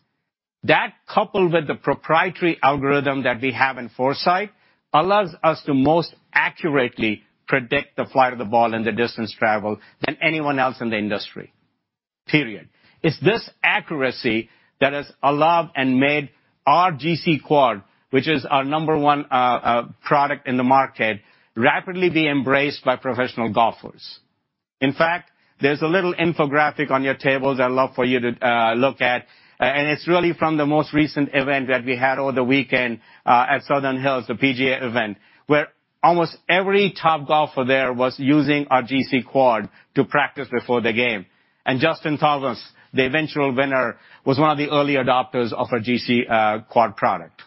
That coupled with the proprietary algorithm that we have in Foresight allows us to most accurately predict the flight of the ball and the distance traveled than anyone else in the industry, period. It's this accuracy that has allowed and made our GC Quad, which is our number one product in the market, rapidly be embraced by professional golfers. In fact, there's a little infographic on your tables I'd love for you to look at, and it's really from the most recent event that we had over the weekend at Southern Hills, the PGA event, where almost every top golfer there was using our GC Quad to practice before the game. Justin Thomas, the eventual winner, was one of the early adopters of our GC Quad product.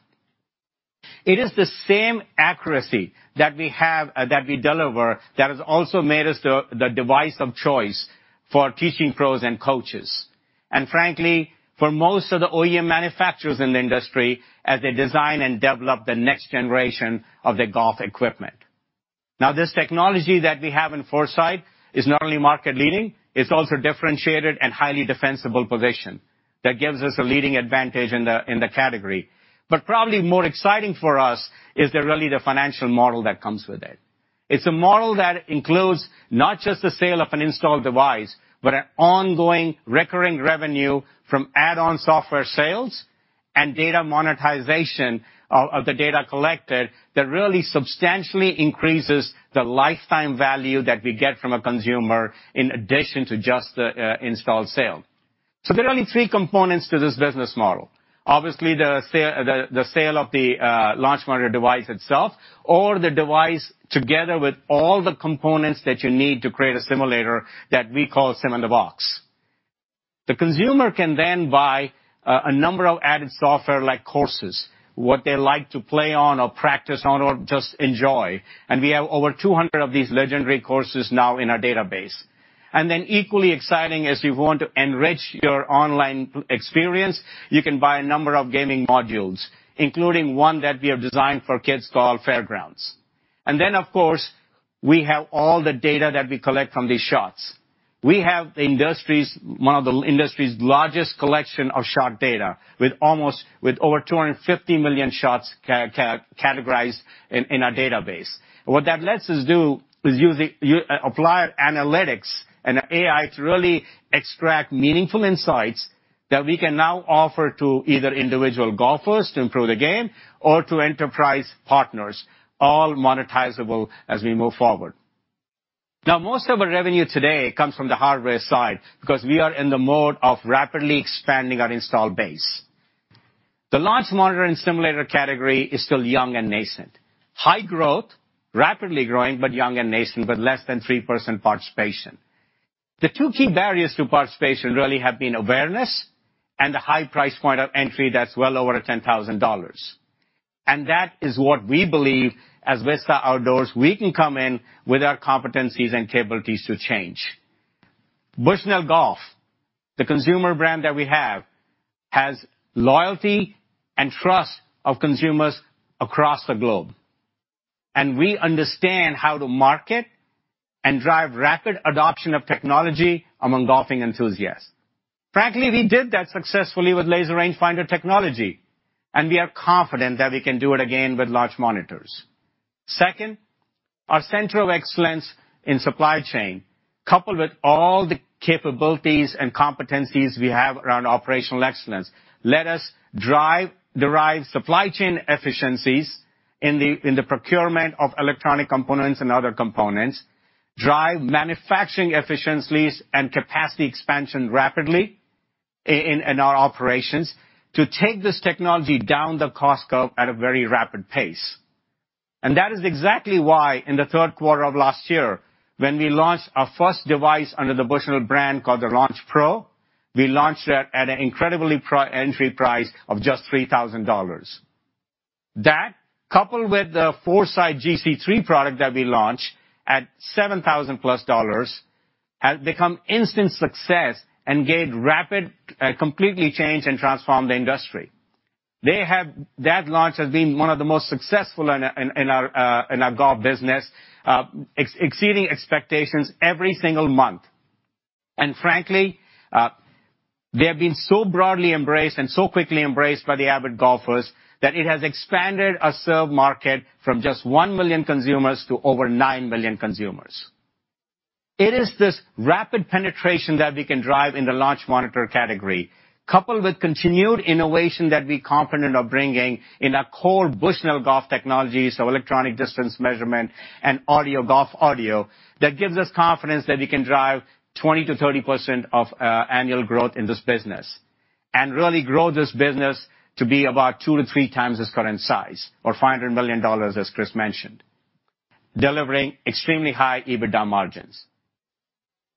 It is the same accuracy that we have, that we deliver, that has also made us the device of choice for teaching pros and coaches, and frankly, for most of the OEM manufacturers in the industry as they design and develop the next generation of their golf equipment. Now this technology that we have in Foresight is not only market-leading, it's also differentiated and highly defensible position that gives us a leading advantage in the category. But probably more exciting for us is really the financial model that comes with it. It's a model that includes not just the sale of an installed device, but an ongoing recurring revenue from add-on software sales and data monetization of the data collected that really substantially increases the lifetime value that we get from a consumer in addition to just the installed sale. There are only three components to this business model. Obviously, the sale of the launch monitor device itself or the device together with all the components that you need to create a simulator that we call SIM IN A BOX. The consumer can then buy a number of added software like courses, what they like to play on or practice on or just enjoy, and we have over 200 of these legendary courses now in our database. Equally exciting as you want to enrich your online experience, you can buy a number of gaming modules, including one that we have designed for kids called Fairgrounds. Of course, we have all the data that we collect from these shots. We have the industry's. One of the industry's largest collection of shot data with over 250 million shots categorized in our database. What that lets us do is apply analytics and AI to really extract meaningful insights that we can now offer to either individual golfers to improve their game or to enterprise partners, all monetizable as we move forward. Most of our revenue today comes from the hardware side because we are in the mode of rapidly expanding our installed base. The launch monitor and simulator category is still young and nascent. High growth, rapidly growing, but young and nascent, with less than 3% participation. The two key barriers to participation really have been awareness and the high price point of entry that's well over $10,000. That is what we believe as Vista Outdoor, we can come in with our competencies and capabilities to change. Bushnell Golf, the consumer brand that we have, has loyalty and trust of consumers across the globe, and we understand how to market and drive rapid adoption of technology among golfing enthusiasts. Frankly, we did that successfully with laser rangefinder technology, and we are confident that we can do it again with launch monitors. Second, our center of excellence in supply chain, coupled with all the capabilities and competencies we have around operational excellence, lets us drive supply chain efficiencies in the procurement of electronic components and other components, drive manufacturing efficiencies and capacity expansion rapidly in our operations to take this technology down the cost curve at a very rapid pace. That is exactly why in the third quarter of last year, when we launched our first device under the Bushnell brand called the Launch Pro, we launched that at an incredibly entry price of just $3,000. That, coupled with the Foresight GC3 product that we launched at $7,000+, has become instant success and gained rapid, completely changed and transformed the industry. That launch has been one of the most successful in our golf business, exceeding expectations every single month. Frankly, they have been so broadly embraced and so quickly embraced by the avid golfers that it has expanded our served market from just 1 million consumers to over 9 million consumers. It is this rapid penetration that we can drive in the launch monitor category, coupled with continued innovation that we're confident of bringing in our core Bushnell Golf technologies, so electronic distance measurement and audio, golf audio, that gives us confidence that we can drive 20%-30% annual growth in this business. Really grow this business to be about 2-3 times its current size or $500 million, as Chris mentioned, delivering extremely high EBITDA margins.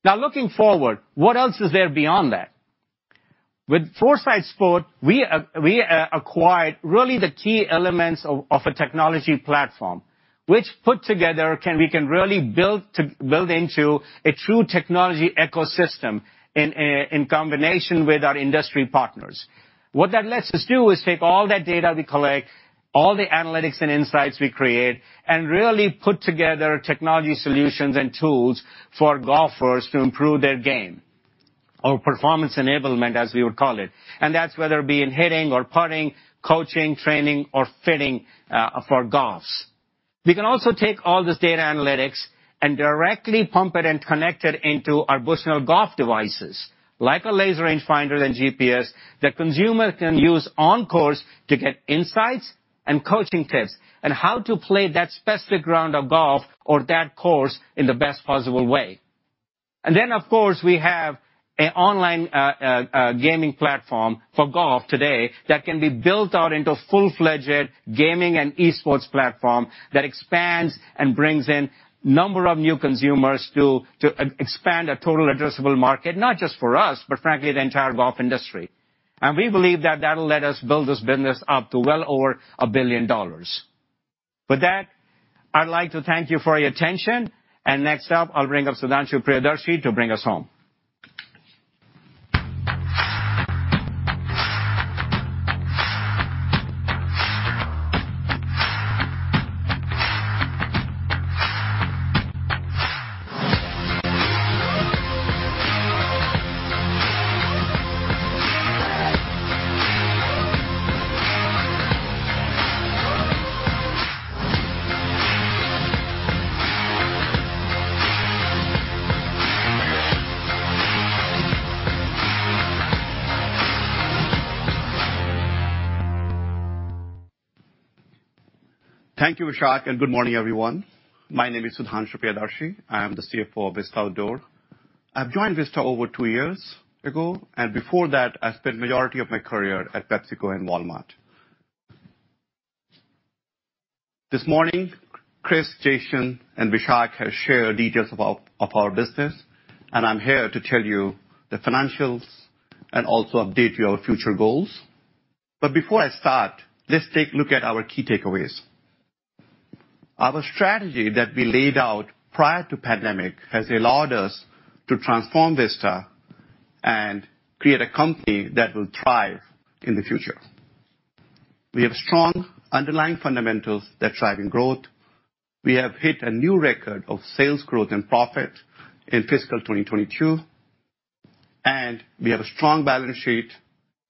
Now, looking forward, what else is there beyond that? With Foresight Sports, we acquired really the key elements of a technology platform, which put together we can really build into a true technology ecosystem in combination with our industry partners. What that lets us do is take all that data we collect, all the analytics and insights we create, and really put together technology solutions and tools for golfers to improve their game or performance enablement, as we would call it. That's whether it be in hitting or putting, coaching, training, or fitting for golfs. We can also take all this data analytics and directly pump it and connect it into our Bushnell Golf devices, like a laser range finder and GPS, that consumer can use on course to get insights and coaching tips on how to play that specific round of golf or that course in the best possible way. Of course, we have an online gaming platform for golf today that can be built out into a full-fledged gaming and esports platform that expands and brings in a number of new consumers to expand a total addressable market, not just for us, but frankly, the entire golf industry. We believe that that'll let us build this business up to well over $1 billion. With that, I'd like to thank you for your attention, and next up, I'll bring up Sudhanshu Priyadarshi to bring us home. Thank you, Vishak, and good morning, everyone. My name is Sudhanshu Priyadarshi. I am the CFO of Vista Outdoor. I've joined Vista over two years ago, and before that, I spent majority of my career at PepsiCo and Walmart. This morning, Chris, Jason, and Vishak have shared details of our business, and I'm here to tell you the financials and also update you on future goals. Before I start, let's take a look at our key takeaways. Our strategy that we laid out prior to pandemic has allowed us to transform Vista and create a company that will thrive in the future. We have strong underlying fundamentals that's driving growth. We have hit a new record of sales growth and profit in fiscal 2022, and we have a strong balance sheet,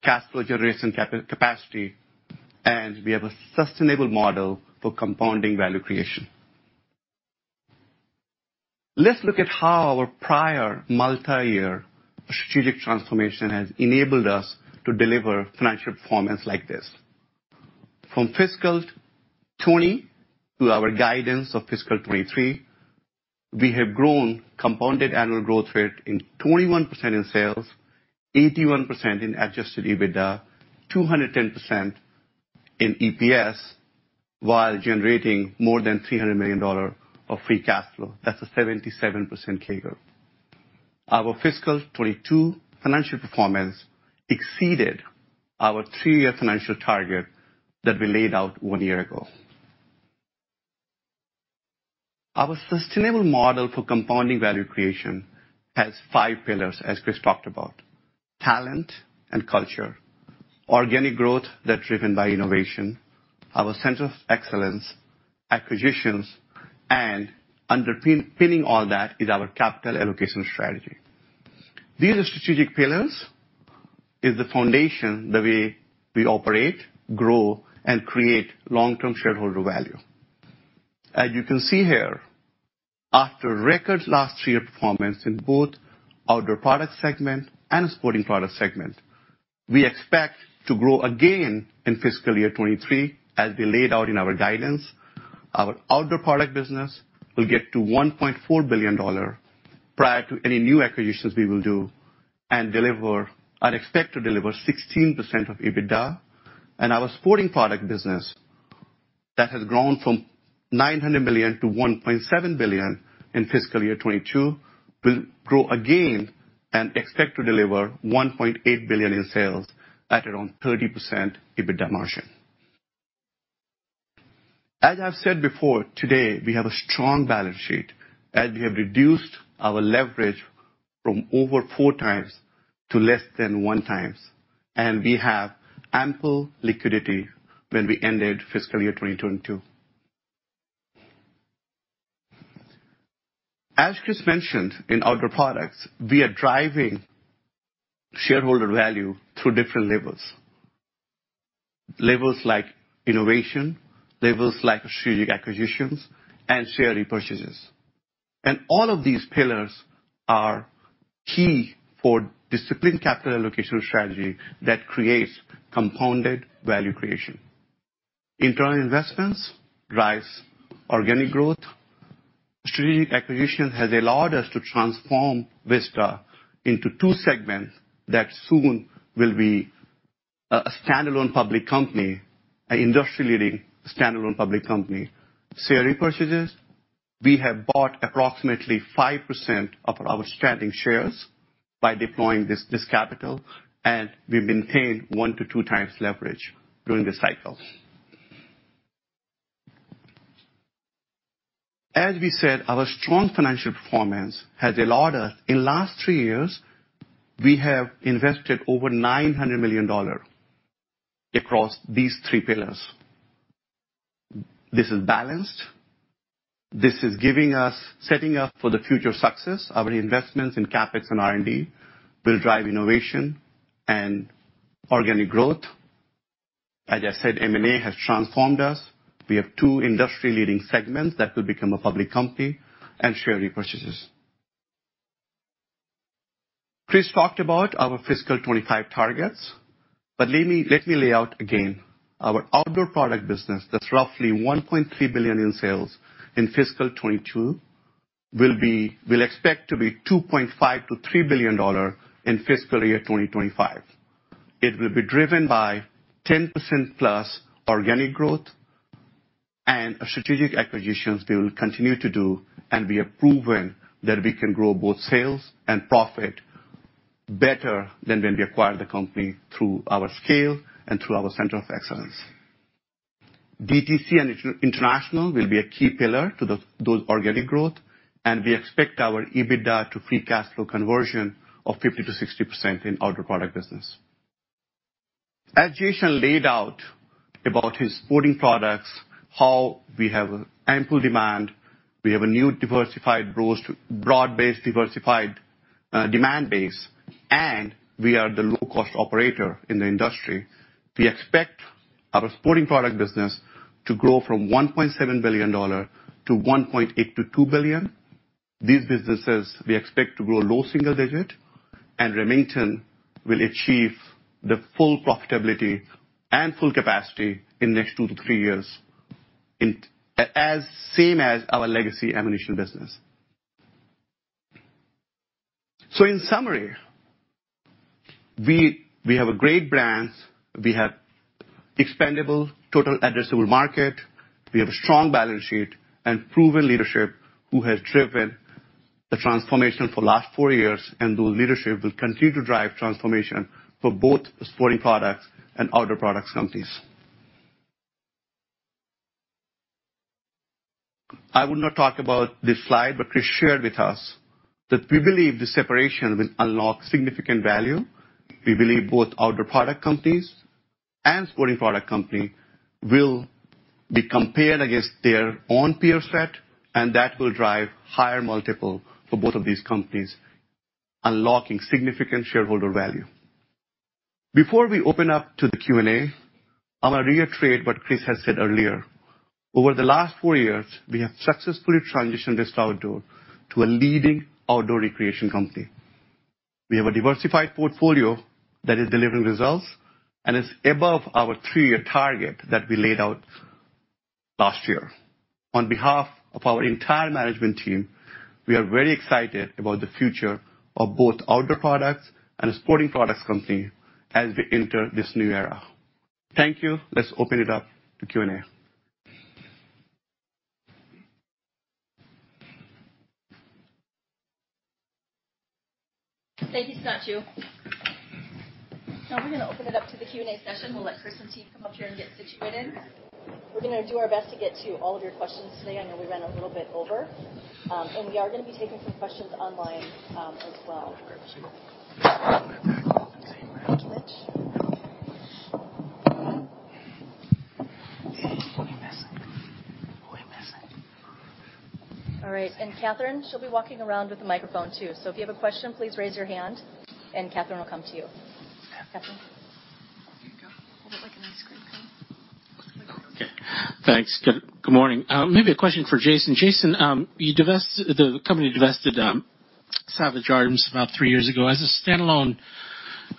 cash flow generation capacity, and we have a sustainable model for compounding value creation. Let's look at how our prior multi-year strategic transformation has enabled us to deliver financial performance like this. From fiscal 2020 through our guidance of fiscal 2023, we have grown compounded annual growth rate in 21% in sales, 81% in adjusted EBITDA, 210% in EPS, while generating more than $300 million dollar of free cash flow. That's a seven7% CAGR. Our fiscal 2022 financial performance exceeded our three-year financial target that we laid out one year ago. Our sustainable model for compounding value creation has five pillars, as Chris talked about. Talent and culture, organic growth that's driven by innovation, our centers of excellence, acquisitions, and underpinning all that is our capital allocation strategy. These strategic pillars is the foundation the way we operate, grow, and create long-term shareholder value. As you can see here, after record last year performance in both Outdoor Products segment and Sporting Products segment, we expect to grow again in fiscal year 2023, as we laid out in our guidance. Our Outdoor Products business will get to $1.4 billion prior to any new acquisitions we will do and deliver and expect to deliver 16% of EBITDA. Our Sporting Products business that has grown from $900 million to $1.7 billion in fiscal year 2022 will grow again and expect to deliver $1.8 billion in sales at around 30% EBITDA margin. As I've said before, today, we have a strong balance sheet, and we have reduced our leverage from over 4x to less than 1x. We have ample liquidity when we ended fiscal year 2022. As Chris mentioned, in Outdoor Products, we are driving shareholder value through different levers. Levers like innovation, levers like strategic acquisitions and share repurchases. All of these pillars are key for disciplined capital allocation strategy that creates compounded value creation. Internal investments drives organic growth. Strategic acquisition has allowed us to transform Vista into two segments that soon will be a standalone public company, an industry-leading standalone public company. Share repurchases, we have bought approximately 5% of our outstanding shares by deploying this capital, and we've maintained 1-2 times leverage during this cycle. As we said, our strong financial performance has allowed us. In last three years, we have invested over $900 million dollar across these three pillars. This is balanced. This is giving us setting up for the future success. Our investments in CapEx and R&D will drive innovation and organic growth. As I said, M&A has transformed us. We have two industry-leading segments that will become a public company, and share repurchases. Chris talked about our fiscal 2025 targets, but let me lay out again. Our Outdoor Products business that's roughly $1.3 billion in sales in fiscal 2022 will be. We'll expect to be $2.5-$3 billion in fiscal year 2025. It will be driven by 10%+ organic growth and our strategic acquisitions we will continue to do, and we have proven that we can grow both sales and profit better than when we acquired the company through our scale and through our center of excellence. DTC and international will be a key pillar to those organic growth, and we expect our EBITDA to free cash flow conversion of 50%-60% in Outdoor Products business. As Jason laid out about his Sporting Products, how we have ample demand, we have a new diversified broad-based diversified demand base, and we are the low-cost operator in the industry. We expect our Sporting Products business to grow from $1.7 billion to $1.8-$2 billion. These businesses, we expect to grow low single digit, and Remington will achieve the full profitability and full capacity in next 2-3 years as same as our legacy ammunition business. In summary, we have great brands, we have expandable total addressable market, we have a strong balance sheet, and proven leadership who has driven the transformation for last four years, and those leadership will continue to drive transformation for both Sporting Products and Outdoor Products companies. I will not talk about this slide, but Chris shared with us that we believe the separation will unlock significant value. We believe both Outdoor Products companies and Sporting Products company will be compared against their own peer set, and that will drive higher multiple for both of these companies, unlocking significant shareholder value. Before we open up to the Q&A, I want to reiterate what Chris has said earlier. Over the last four years, we have successfully transitioned Vista Outdoor to a leading outdoor recreation company. We have a diversified portfolio that is delivering results and is above our three-year target that we laid out last year. On behalf of our entire management team, we are very excited about the future of both Outdoor Products and the Sporting Products company as we enter this new era. Thank you. Let's open it up to Q&A. Thank you, Sudhanshu. Now we're gonna open it up to the Q&A session. We'll let Chris and team come up here and get situated. We're gonna do our best to get to all of your questions today. I know we ran a little bit over. We are gonna be taking some questions online, as well. All right, Catherine, she'll be walking around with a microphone too. If you have a question, please raise your hand and Catherine will come to you. Catherine? Here you go. Hold it like an ice cream cone. Okay. Thanks. Good morning. Maybe a question for Jason. Jason, the company divested Savage Arms about three years ago. As a standalone,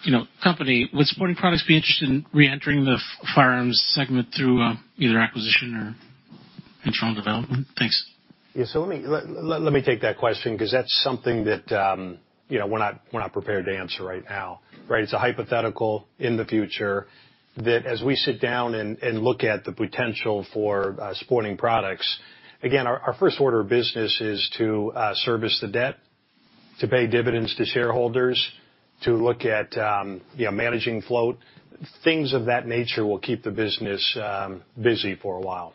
you know, company, would Sporting Products be interested in reentering the firearms segment through either acquisition or internal development? Thanks. Yeah. Let me take that question 'cause that's something that, you know, we're not prepared to answer right now, right? It's a hypothetical in the future that as we sit down and look at the potential for, Sporting Products, again, our first order of business is to service the debt, to pay dividends to shareholders, to look at, you know, managing float. Things of that nature will keep the business busy for a while.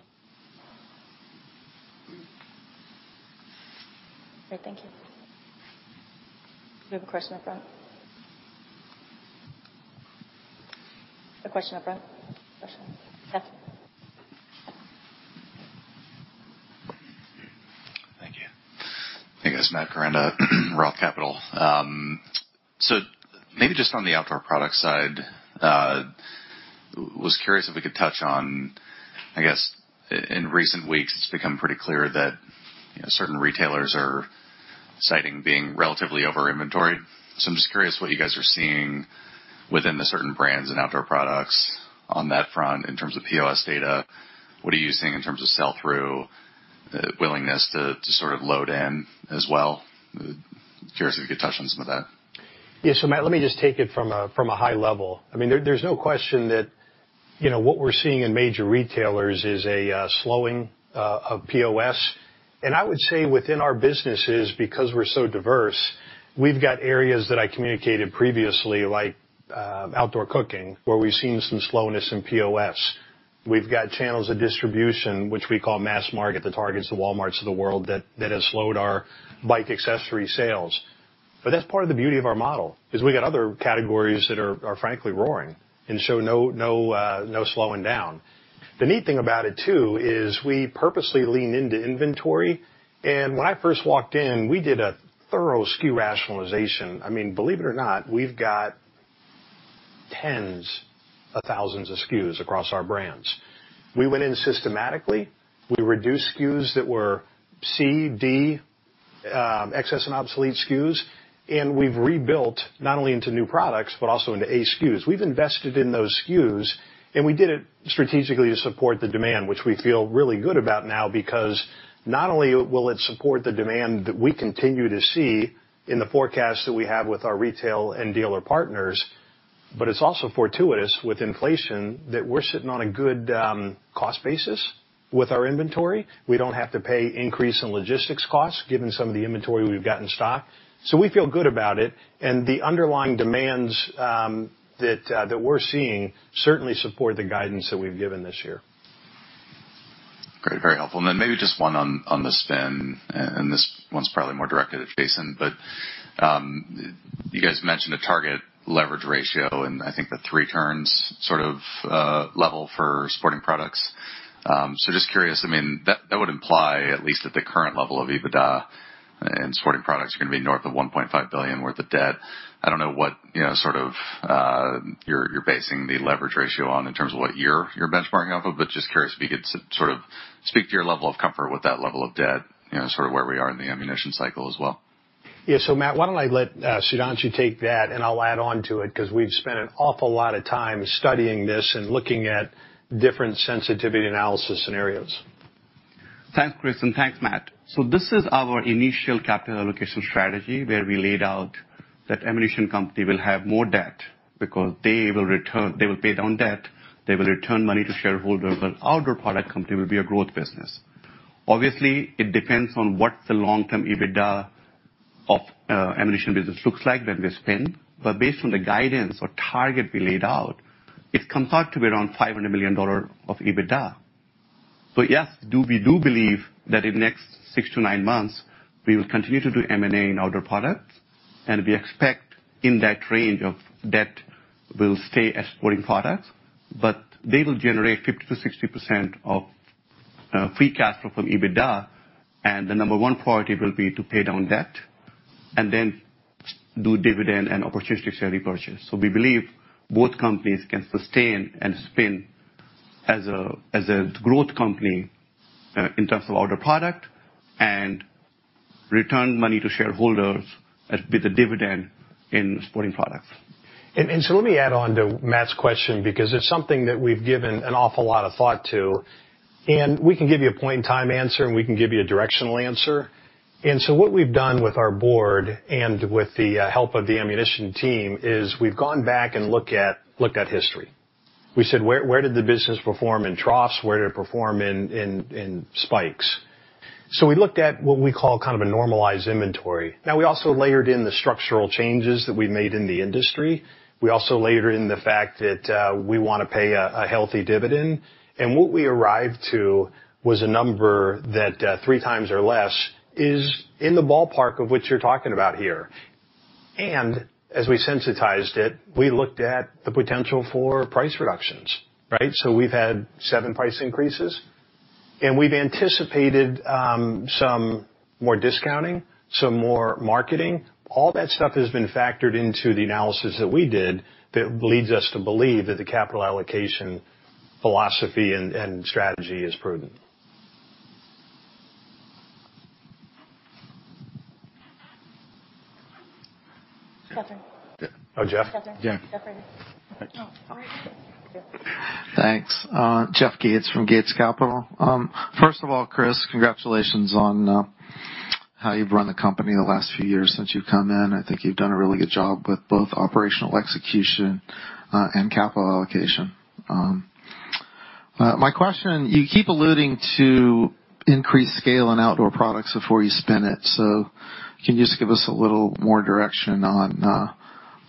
All right. Thank you. We have a question up front. Question. Yeah. Thank you. Hey, guys. Matt Koranda, ROTH Capital Partners. So maybe just on the Outdoor Products side, was curious if we could touch on, I guess, in recent weeks, it's become pretty clear that, you know, certain retailers are citing being relatively over-inventoried. I'm just curious what you guys are seeing within the certain brands and Outdoor Products on that front in terms of POS data. What are you seeing in terms of sell-through, willingness to sort of load in as well? Curious if you could touch on some of that. Yeah. Matt, let me just take it from a high level. I mean, there's no question that, you know, what we're seeing in major retailers is a slowing of POS. I would say within our businesses, because we're so diverse, we've got areas that I communicated previously, like outdoor cooking, where we've seen some slowness in POS. We've got channels of distribution, which we call mass market, the Targets, the Walmarts of the world that has slowed our bike accessory sales. But that's part of the beauty of our model, is we've got other categories that are frankly roaring and show no slowing down. The neat thing about it too is we purposely lean into inventory. When I first walked in, we did a thorough SKU rationalization. I mean, believe it or not, we've got tens of thousands of SKUs across our brands. We went in systematically. We reduced SKUs that were C, D, excess and obsolete SKUs. We've rebuilt not only into new products, but also into A SKUs. We've invested in those SKUs, and we did it strategically to support the demand, which we feel really good about now because not only will it support the demand that we continue to see in the forecast that we have with our retail and dealer partners, but it's also fortuitous with inflation that we're sitting on a good, cost basis with our inventory. We don't have to pay increase in logistics costs given some of the inventory we've got in stock. We feel good about it. The underlying demands that we're seeing certainly support the guidance that we've given this year. Great. Very helpful. Maybe just one on the spin, and this one's probably more directed at Jason. You guys mentioned a target leverage ratio, and I think the three turns sort of level for Sporting Products. Just curious, I mean, that would imply, at least at the current level of EBITDA and Sporting Products, you're gonna be north of $1.5 billion worth of debt. I don't know what, you know, sort of you're basing the leverage ratio on in terms of what year you're benchmarking off of, but just curious if you could sort of speak to your level of comfort with that level of debt, you know, sort of where we are in the ammunition cycle as well. Yeah. Matt, why don't I let Sudhanshu take that and I'll add on to it because we've spent an awful lot of time studying this and looking at different sensitivity analysis scenarios. Thanks, Chris, and thanks, Matt. This is our initial capital allocation strategy where we laid out that ammunition company will have more debt because they will pay down debt, they will return money to shareholders, but Outdoor Products company will be a growth business. Obviously, it depends on what the long-term EBITDA of ammunition business looks like when we spin, but based on the guidance or target we laid out, it comes out to be around $500 million of EBITDA. Yes, we do believe that in next six to nine months, we will continue to do M&A in Outdoor Products, and we expect in that range of debt will stay at Sporting Products, but they will generate 50%-60% of free cash flow from EBITDA, and the number one priority will be to pay down debt and then do dividend and opportunistic share repurchase. We believe both companies can sustain and spin as a growth company in terms of Outdoor Products and return money to shareholders as well as the dividend in Sporting Products. Let me add on to Matt's question because it's something that we've given an awful lot of thought to, and we can give you a point in time answer, and we can give you a directional answer. What we've done with our board and with the help of the ammunition team is we've gone back and looked at history. We said, "Where did the business perform in troughs? Where did it perform in spikes?" We looked at what we call kind of a normalized inventory. Now, we also layered in the structural changes that we made in the industry. We also layered in the fact that we wanna pay a healthy dividend. What we arrived to was a number that three times or less is in the ballpark of what you're talking about here. As we sensitized it, we looked at the potential for price reductions, right? We've had seven price increases, and we've anticipated some more discounting, some more marketing. All that stuff has been factored into the analysis that we did that leads us to believe that the capital allocation philosophy and strategy is prudent. Catherine. Oh, Jeff? Catherine. Yeah. Jeffrey. Thanks. Oh, all right. Yeah. Thanks. Jeff Gates from Gates Capital. First of all, Chris, congratulations on how you've run the company the last few years since you've come in. I think you've done a really good job with both operational execution and capital allocation. My question, you keep alluding to increased scale in Outdoor Products before you spin it, so can you just give us a little more direction on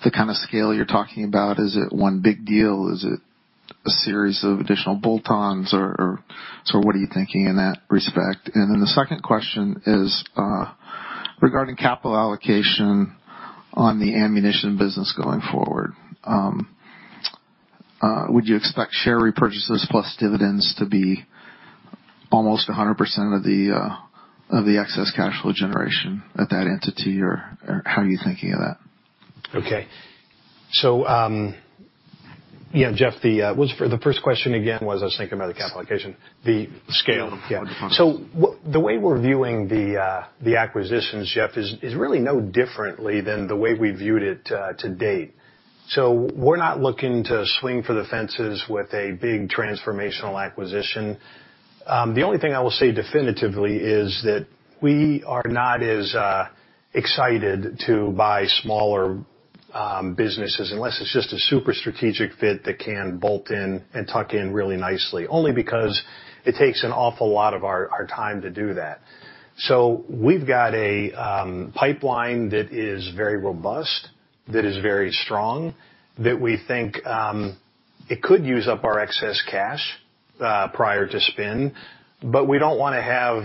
the kind of scale you're talking about? Is it one big deal? Is it a series of additional bolt-ons or sort of what are you thinking in that respect? The second question is, regarding capital allocation on the ammunition business going forward, would you expect share repurchases plus dividends to be almost 100% of the excess cash flow generation at that entity, or how are you thinking of that? Okay. Yeah, Jeff, the first question again was? I was thinking about the capital allocation. The scale. The scale. Yeah. The way we're viewing the acquisitions, Jeff, is really no differently than the way we viewed it to date. We're not looking to swing for the fences with a big transformational acquisition. The only thing I will say definitively is that we are not as excited to buy smaller businesses unless it's just a super strategic fit that can bolt in and tuck in really nicely, only because it takes an awful lot of our time to do that. We've got a pipeline that is very robust, that is very strong, that we think it could use up our excess cash prior to spin, but we don't wanna have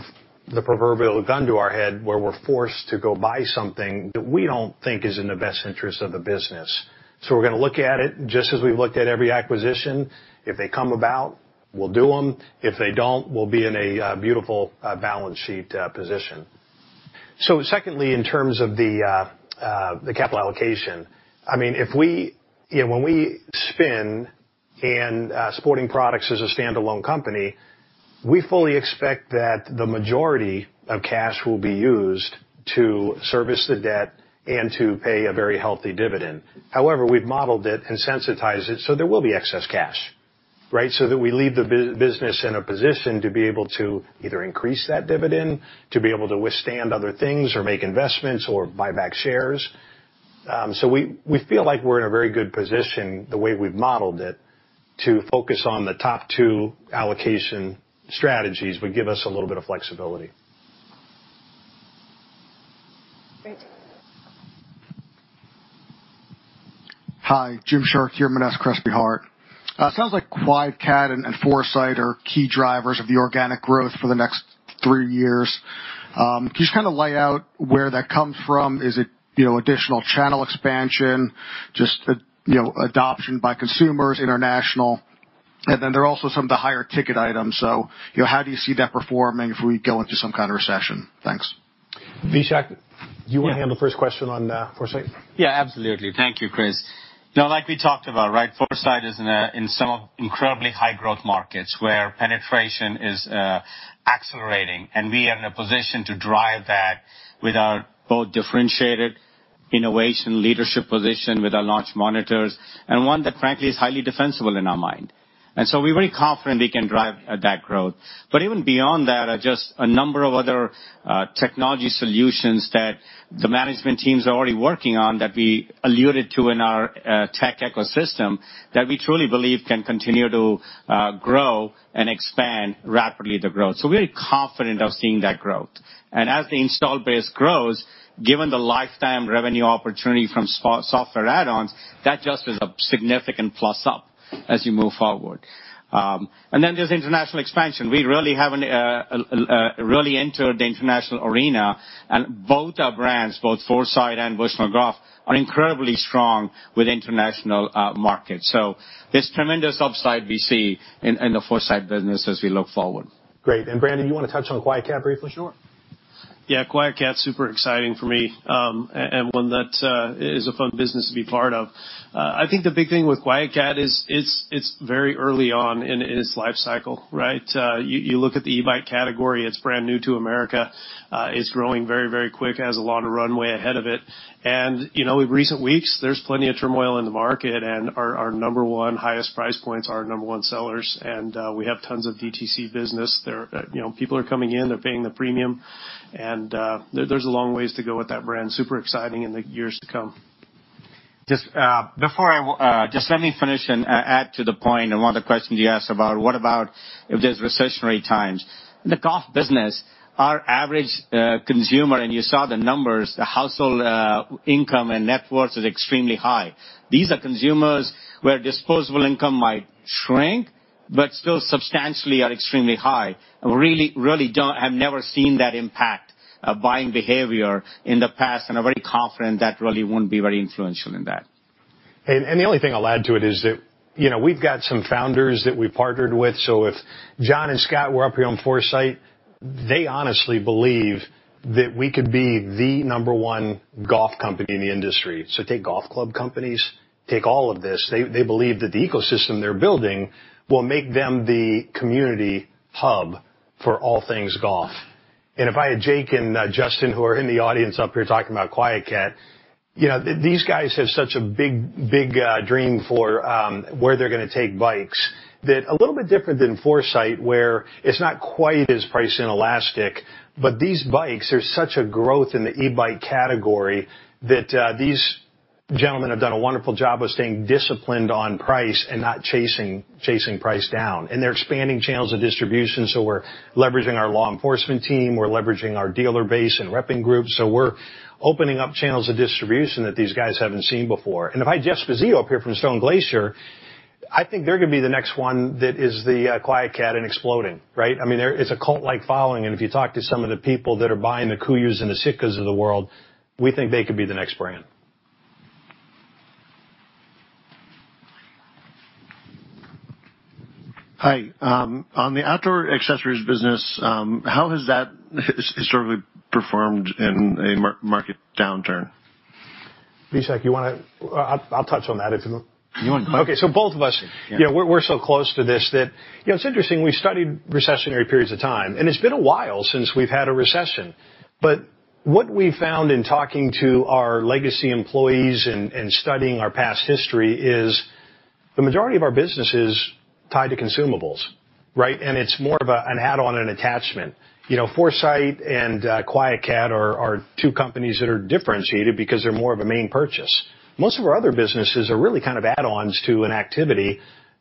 the proverbial gun to our head where we're forced to go buy something that we don't think is in the best interest of the business. We're gonna look at it just as we've looked at every acquisition. If they come about, we'll do them. If they don't, we'll be in a beautiful balance sheet position. Secondly, in terms of the capital allocation, I mean, you know, when we spin and Sporting Products as a standalone company, we fully expect that the majority of cash will be used to service the debt and to pay a very healthy dividend. However, we've modeled it and sensitized it, so there will be excess cash, right? That we leave the business in a position to be able to either increase that dividend, to be able to withstand other things or make investments or buy back shares. We feel like we're in a very good position the way we've modeled it to focus on the top two allocation strategies, but give us a little bit of flexibility. Great. Hi, Jim Chartier here, Monness, Crespi, Hardt. It sounds like QuietKat and Foresight Sports are key drivers of the organic growth for the next three years. Can you just kinda lay out where that comes from? Is it, you know, additional channel expansion, just a, you know, adoption by consumers, international? There are also some of the higher ticket items, so, you know, how do you see that performing if we go into some kind of recession? Thanks. Vishak, do you wanna handle the first question on Foresight? Yeah, absolutely. Thank you, Chris. Now, like we talked about, right, Foresight is in some incredibly high growth markets where penetration is accelerating, and we are in a position to drive that with our both differentiated innovation leadership position with our launch monitors, and one that frankly is highly defensible in our mind. We're very confident we can drive that growth. Even beyond that are just a number of other technology solutions that the management teams are already working on that we alluded to in our tech ecosystem that we truly believe can continue to grow and expand rapidly the growth. We're confident of seeing that growth. As the install base grows, given the lifetime revenue opportunity from software add-ons, that just is a significant plus-up as you move forward. Then there's international expansion. We really haven't really entered the international arena, and both our brands, both Foresight and Bushnell Golf, are incredibly strong with international markets. There's tremendous upside we see in the Foresight business as we look forward. Great. Brandon, you wanna touch on QuietKat briefly? Sure. Yeah, QuietKat, super exciting for me, and one that is a fun business to be part of. I think the big thing with QuietKat is it's very early on in its life cycle, right? You look at the e-bike category, it's brand new to America. It's growing very, very quick. It has a lot of runway ahead of it. You know, in recent weeks, there's plenty of turmoil in the market, and our number one highest price points are our number one sellers, and we have tons of DTC business. You know, people are coming in, they're paying the premium, and there's a long ways to go with that brand. Super exciting in the years to come. Just let me finish and add to the point on one of the questions you asked about what about if there's recessionary times. The golf business, our average consumer, and you saw the numbers, the household income and net worth is extremely high. These are consumers where disposable income might shrink, but still substantially are extremely high. Really don't have never seen that impact of buying behavior in the past, and I'm very confident that really won't be very influential in that. The only thing I'll add to it is that, you know, we've got some founders that we partnered with, so if John and Scott were up here on Foresight, they honestly believe that we could be the number one golf company in the industry. Take golf club companies, take all of this. They believe that the ecosystem they're building will make them the community hub for all things golf. If I had Jake and Justin, who are in the audience up here talking about QuietKat, you know, these guys have such a big dream for where they're gonna take bikes that a little bit different than Foresight, where it's not quite as price inelastic, but these bikes, there's such a growth in the e-bike category that these gentlemen have done a wonderful job of staying disciplined on price and not chasing price down. They're expanding channels of distribution, so we're leveraging our law enforcement team, we're leveraging our dealer base and repping groups, so we're opening up channels of distribution that these guys haven't seen before. If I had Jeff Sposito up here from Stone Glacier, I think they're gonna be the next one that is the QuietKat and exploding, right? I mean, there is a cult-like following, and if you talk to some of the people that are buying the KUIU and the Sitka of the world, we think they could be the next brand. Hi. On the outdoor accessories business, how has that historically performed in a market downturn? Vishak, I'll touch on that if you want. You want to? Okay. Both of us. Yeah. You know, we're so close to this. You know, it's interesting, we studied recessionary periods of time, and it's been a while since we've had a recession. What we found in talking to our legacy employees and studying our past history is the majority of our business is tied to consumables, right? It's more of an add-on and attachment. You know, Foresight and QuietKat are two companies that are differentiated because they're more of a main purchase. Most of our other businesses are really kind of add-ons to an activity.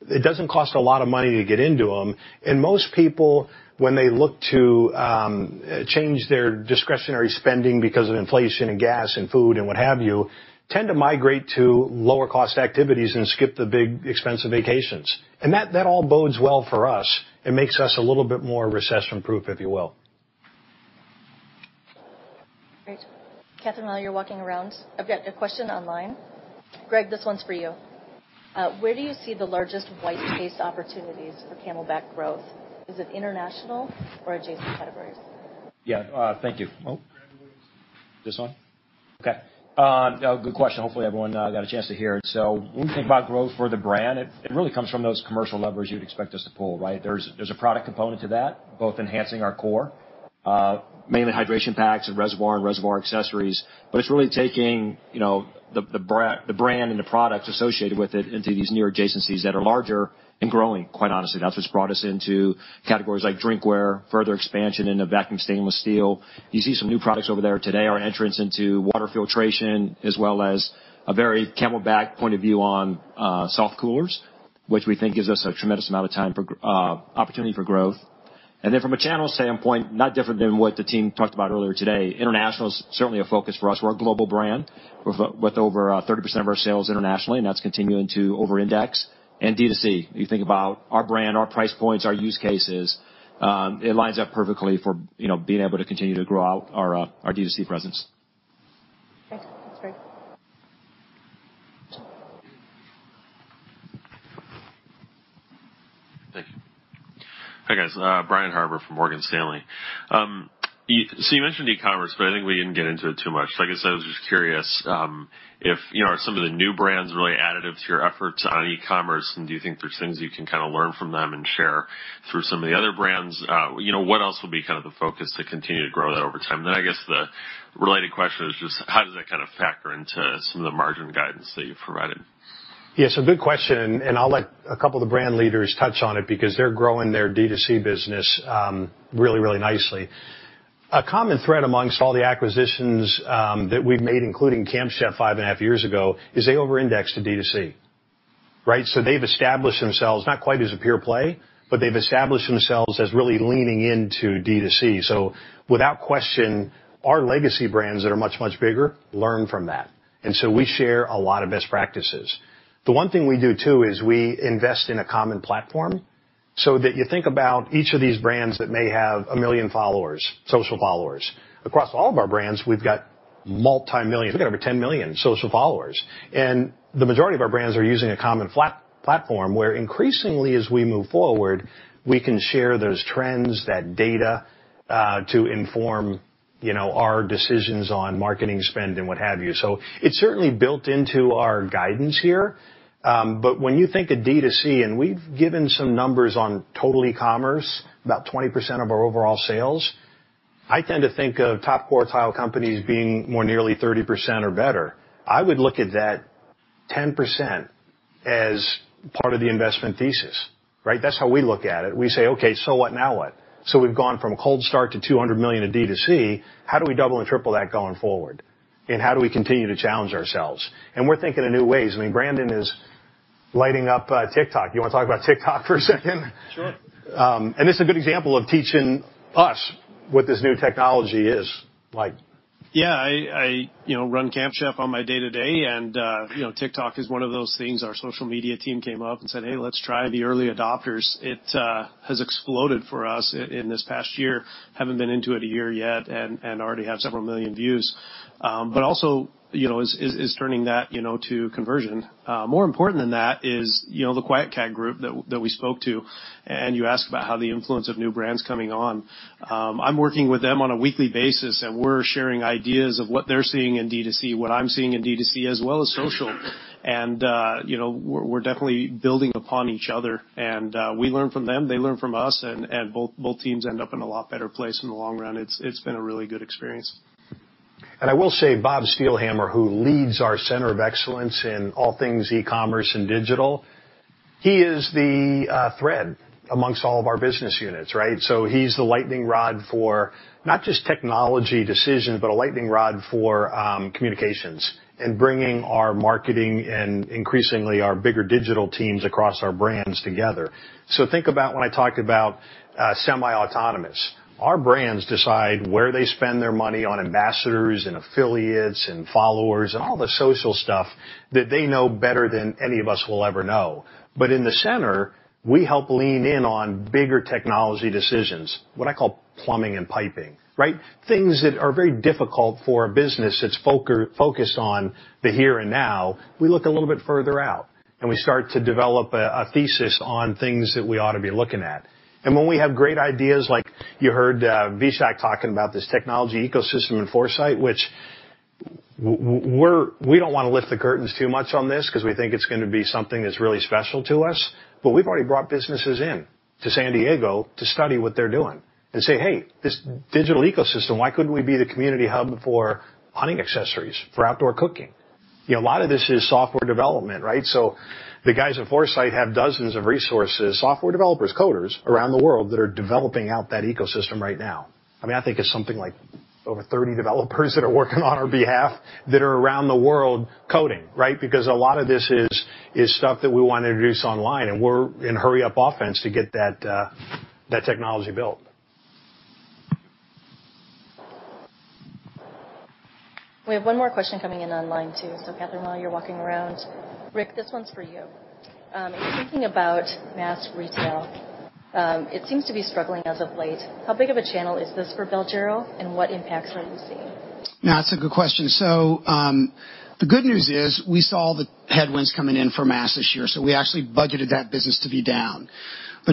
It doesn't cost a lot of money to get into them. Most people, when they look to change their discretionary spending because of inflation in gas and food and what have you, tend to migrate to lower cost activities and skip the big, expensive vacations. That all bodes well for us and makes us a little bit more recession-proof, if you will. Great. Catherine, while you're walking around, I've got a question online. Greg, this one's for you. Where do you see the largest white space opportunities for CamelBak growth? Is it international or adjacent categories? Yeah. Thank you. This one? Okay. Good question. Hopefully, everyone got a chance to hear it. When you think about growth for the brand, it really comes from those commercial levers you'd expect us to pull, right? There's a product component to that, both enhancing our core, mainly hydration packs and reservoir accessories. But it's really taking, you know, the brand and the products associated with it into these new adjacencies that are larger and growing, quite honestly. That's what's brought us into categories like drinkware, further expansion into vacuum stainless steel. You see some new products over there today, our entrance into water filtration, as well as a very CamelBak point of view on soft coolers, which we think gives us a tremendous amount of opportunity for growth. From a channel standpoint, not different than what the team talked about earlier today, international is certainly a focus for us. We're a global brand with over 30% of our sales internationally, and that's continuing to overindex. D2C, you think about our brand, our price points, our use cases, it lines up perfectly for, you know, being able to continue to grow out our D2C presence. Thanks. Thanks, Greg. Thank you. Hi, guys. Brian Harbour from Morgan Stanley. So you mentioned e-commerce, but I think we didn't get into it too much. Like I said, I was just curious if, you know, are some of the new brands really additive to your efforts on e-commerce, and do you think there's things you can kind of learn from them and share through some of the other brands? You know, what else will be kind of the focus to continue to grow that over time? I guess the related question is just how does that kind of factor into some of the margin guidance that you've provided? Yeah. Good question, and I'll let a couple of the brand leaders touch on it because they're growing their D2C business really, really nicely. A common thread among all the acquisitions that we've made, including Camp Chef five and a half years ago, is they overindex to D2C, right? Without question, our legacy brands that are much, much bigger learn from that. We share a lot of best practices. The one thing we do, too, is we invest in a common platform so that you think about each of these brands that may have 1 million followers, social followers. Across all of our brands, we've got multi-million. We've got over 10 million social followers, and the majority of our brands are using a common platform, where increasingly, as we move forward, we can share those trends, that data, to inform, you know, our decisions on marketing spend and what have you. It's certainly built into our guidance here. When you think of D2C, and we've given some numbers on total e-commerce, about 20% of our overall sales, I tend to think of top quartile companies being more nearly 30% or better. I would look at that 10% as part of the investment thesis, right? That's how we look at it. We say, "Okay, so what? Now what?" We've gone from a cold start to $200 million in D2C. How do we double and triple that going forward? How do we continue to challenge ourselves? We're thinking in new ways. I mean, Brandon is lighting up TikTok. You wanna talk about TikTok for a second? Sure. This is a good example of teaching us what this new technology is like. Yeah. I you know, run Camp Chef on my day-to-day. You know, TikTok is one of those things our social media team came up and said, "Hey, let's try the early adopters." It has exploded for us in this past year. Haven't been into it a year yet and already have several million views. But also you know, is turning that you know, to conversion. More important than that is you know, the QuietKat group that we spoke to, and you asked about how the influence of new brands coming on. I'm working with them on a weekly basis, and we're sharing ideas of what they're seeing in D2C, what I'm seeing in D2C, as well as social. You know, we're definitely building upon each other, and we learn from them, they learn from us, and both teams end up in a lot better place in the long run. It's been a really good experience. I will say, Bob Steelhammer, who leads our center of excellence in all things e-commerce and digital, he is the thread amongst all of our business units, right? He's the lightning rod for not just technology decisions, but a lightning rod for communications and bringing our marketing and increasingly our bigger digital teams across our brands together. Think about when I talked about semi-autonomous. Our brands decide where they spend their money on ambassadors and affiliates and followers and all the social stuff that they know better than any of us will ever know. In the center, we help lean in on bigger technology decisions, what I call plumbing and piping, right? Things that are very difficult for a business that's focused on the here and now. We look a little bit further out, and we start to develop a thesis on things that we ought to be looking at. When we have great ideas, like you heard, Vishak talking about this technology ecosystem in Foresight, which we're we don't wanna lift the curtains too much on this 'cause we think it's gonna be something that's really special to us. But we've already brought businesses in to San Diego to study what they're doing and say, "Hey, this digital ecosystem, why couldn't we be the community hub for hunting accessories, for outdoor cooking?" You know, a lot of this is software development, right? The guys at Foresight have dozens of resources, software developers, coders around the world that are developing out that ecosystem right now. I mean, I think it's something like over 30 developers that are working on our behalf, that are around the world coding, right? Because a lot of this is stuff that we wanna introduce online, and we're in hurry-up offense to get that technology built. We have one more question coming in online too. Kathleen, while you're walking around. Ric, this one's for you. Thinking about mass retail, it seems to be struggling as of late. How big of a channel is this for Bell and Giro, and what impacts are you seeing? That's a good question. The good news is we saw the headwinds coming in for mass this year, so we actually budgeted that business to be down.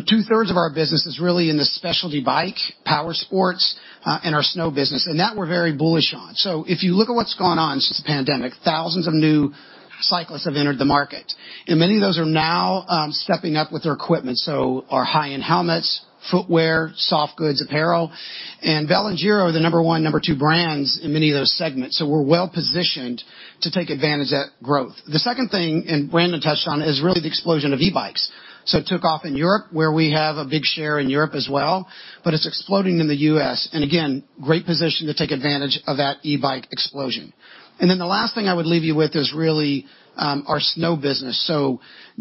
Two-thirds of our business is really in the specialty bike, power sports, and our snow business, and that we're very bullish on. If you look at what's gone on since the pandemic, thousands of new cyclists have entered the market, and many of those are now stepping up with their equipment, so our high-end helmets, footwear, soft goods, apparel. Bell and Giro are the number one, number two brands in many of those segments. We're well-positioned to take advantage of that growth. The second thing, and Brandon touched on, is really the explosion of e-bikes. It took off in Europe, where we have a big share in Europe as well, but it's exploding in the U.S. Again, great position to take advantage of that e-bike explosion. The last thing I would leave you with is really our snow business.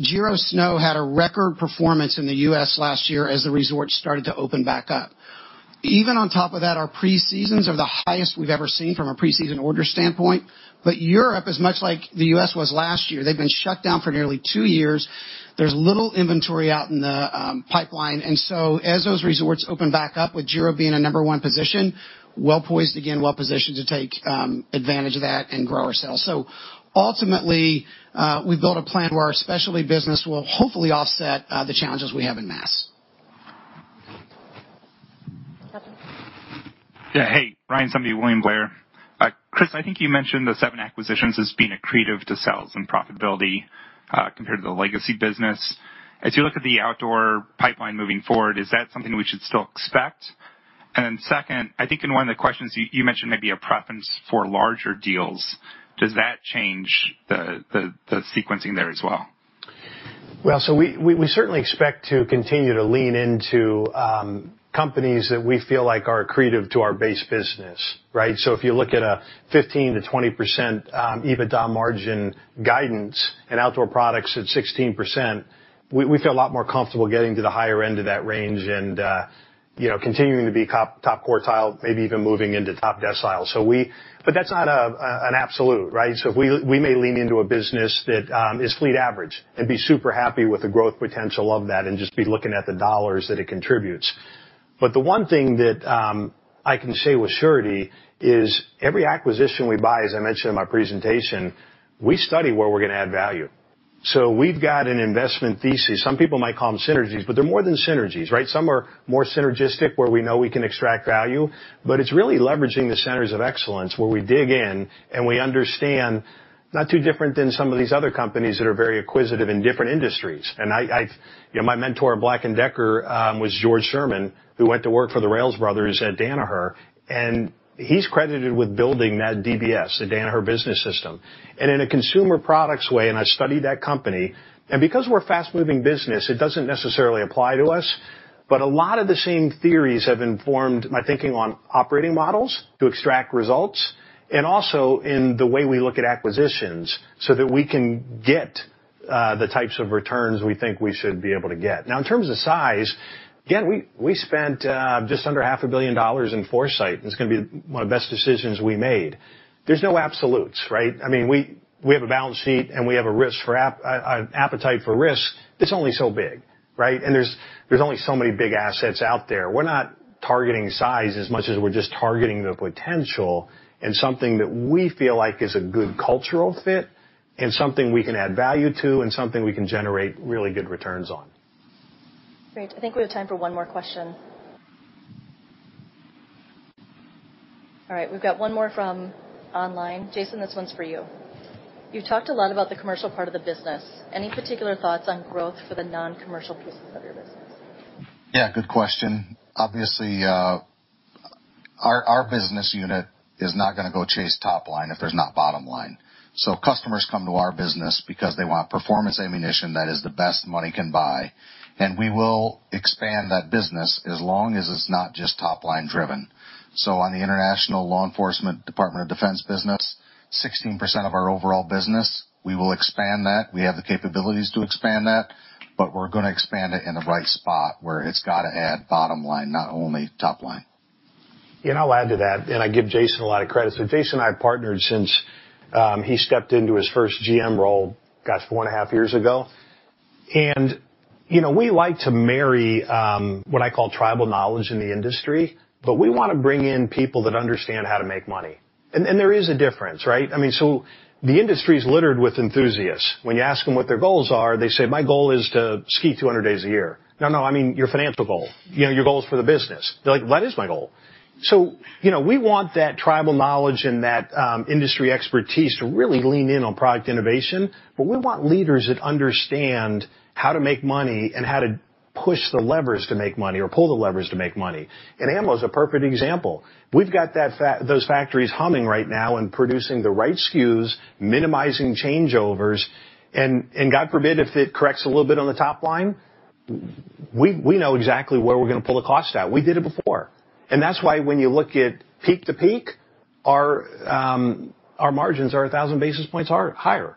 Giro Snow had a record performance in the U.S. last year as the resorts started to open back up. Even on top of that, our pre-seasons are the highest we've ever seen from a preseason order standpoint. Europe is much like the U.S. was last year. They've been shut down for nearly two years. There's little inventory out in the pipeline. As those resorts open back up with Giro being a number one position, well-poised again, well-positioned to take advantage of that and grow our sales. Ultimately, we've built a plan where our specialty business will hopefully offset the challenges we have in mass. Kathleen. Yeah. Hey, Ryan Sundby, William Blair. Chris, I think you mentioned the seven acquisitions as being accretive to sales and profitability, compared to the legacy business. As you look at the outdoor pipeline moving forward, is that something we should still expect? Second, I think in one of the questions you mentioned maybe a preference for larger deals. Does that change the sequencing there as well? We certainly expect to continue to lean into companies that we feel like are accretive to our base business, right? If you look at a 15%-20% EBITDA margin guidance and Outdoor Products at 16%, we feel a lot more comfortable getting to the higher end of that range and you know, continuing to be top quartile, maybe even moving into top decile. But that's not an absolute, right? We may lean into a business that is fleet average and be super happy with the growth potential of that and just be looking at the dollars that it contributes. But the one thing that I can say with surety is every acquisition we buy, as I mentioned in my presentation, we study where we're gonna add value. We've got an investment thesis. Some people might call them synergies, but they're more than synergies, right? Some are more synergistic, where we know we can extract value. It's really leveraging the centers of excellence, where we dig in and we understand, not too different than some of these other companies that are very acquisitive in different industries. I, you know, my mentor at Black & Decker was George Sherman, who went to work for the Rales brothers at Danaher, and he's credited with building that DBS, the Danaher Business System. In a consumer products way, I studied that company, and because we're a fast-moving business, it doesn't necessarily apply to us, but a lot of the same theories have informed my thinking on operating models to extract results and also in the way we look at acquisitions, so that we can get the types of returns we think we should be able to get. Now, in terms of size, again, we spent just under half a billion dollars in Foresight. It's gonna be one of the best decisions we made. There's no absolutes, right? I mean, we have a balance sheet, and we have a risk for an appetite for risk that's only so big, right? There's only so many big assets out there. We're not targeting size as much as we're just targeting the potential and something that we feel like is a good cultural fit and something we can add value to and something we can generate really good returns on. Great. I think we have time for one more question. All right, we've got one more from online. Jason, this one's for you. You've talked a lot about the commercial part of the business. Any particular thoughts on growth for the non-commercial pieces of your business? Yeah, good question. Obviously, our business unit is not gonna go chase top line if there's not bottom line. Customers come to our business because they want performance ammunition that is the best money can buy, and we will expand that business as long as it's not just top-line driven. On the international law enforcement, Department of Defense business, 16% of our overall business, we will expand that. We have the capabilities to expand that, but we're gonna expand it in the right spot, where it's gotta add bottom line, not only top line. I'll add to that, and I give Jason a lot of credit. Jason and I have partnered since he stepped into his first GM role, gosh, four and a half years ago. You know, we like to marry what I call tribal knowledge in the industry, but we wanna bring in people that understand how to make money. There is a difference, right? I mean, so the industry is littered with enthusiasts. When you ask them what their goals are, they say, "My goal is to ski 200 days a year." "No, no. I mean, your financial goal. You know, your goals for the business. They're like, "What is my goal?" You know, we want that tribal knowledge and that industry expertise to really lean in on product innovation, but we want leaders that understand how to make money and how to push the levers to make money or pull the levers to make money. Ammo is a perfect example. We've got those factories humming right now and producing the right SKUs, minimizing changeovers, and God forbid, if it corrects a little bit on the top line, we know exactly where we're gonna pull the cost at. We did it before. That's why when you look at peak to peak, our margins are 1,000 basis points higher,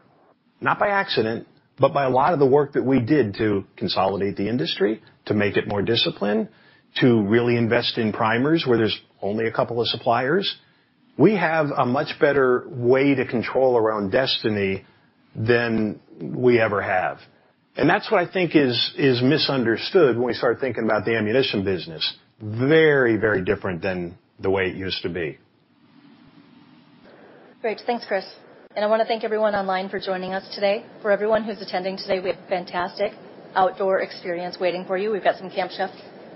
not by accident, but by a lot of the work that we did to consolidate the industry, to make it more disciplined, to really invest in primers where there's only a couple of suppliers. We have a much better way to control our own destiny than we ever have. That's what I think is misunderstood when we start thinking about the ammunition business. Very, very different than the way it used to be. Great. Thanks, Chris. I wanna thank everyone online for joining us today. For everyone who's attending today, we have a fantastic outdoor experience waiting for you. We've got some Camp Chef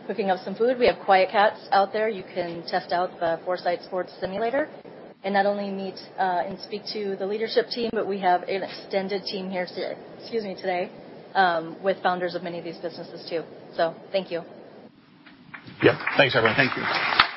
cooking up some food. We have QuietKat out there. You can test out the Foresight Sports simulator. Not only meet and speak to the leadership team, but we have an extended team here today with founders of many of these businesses too. Thank you. Yeah. Thanks, everyone. Thank you.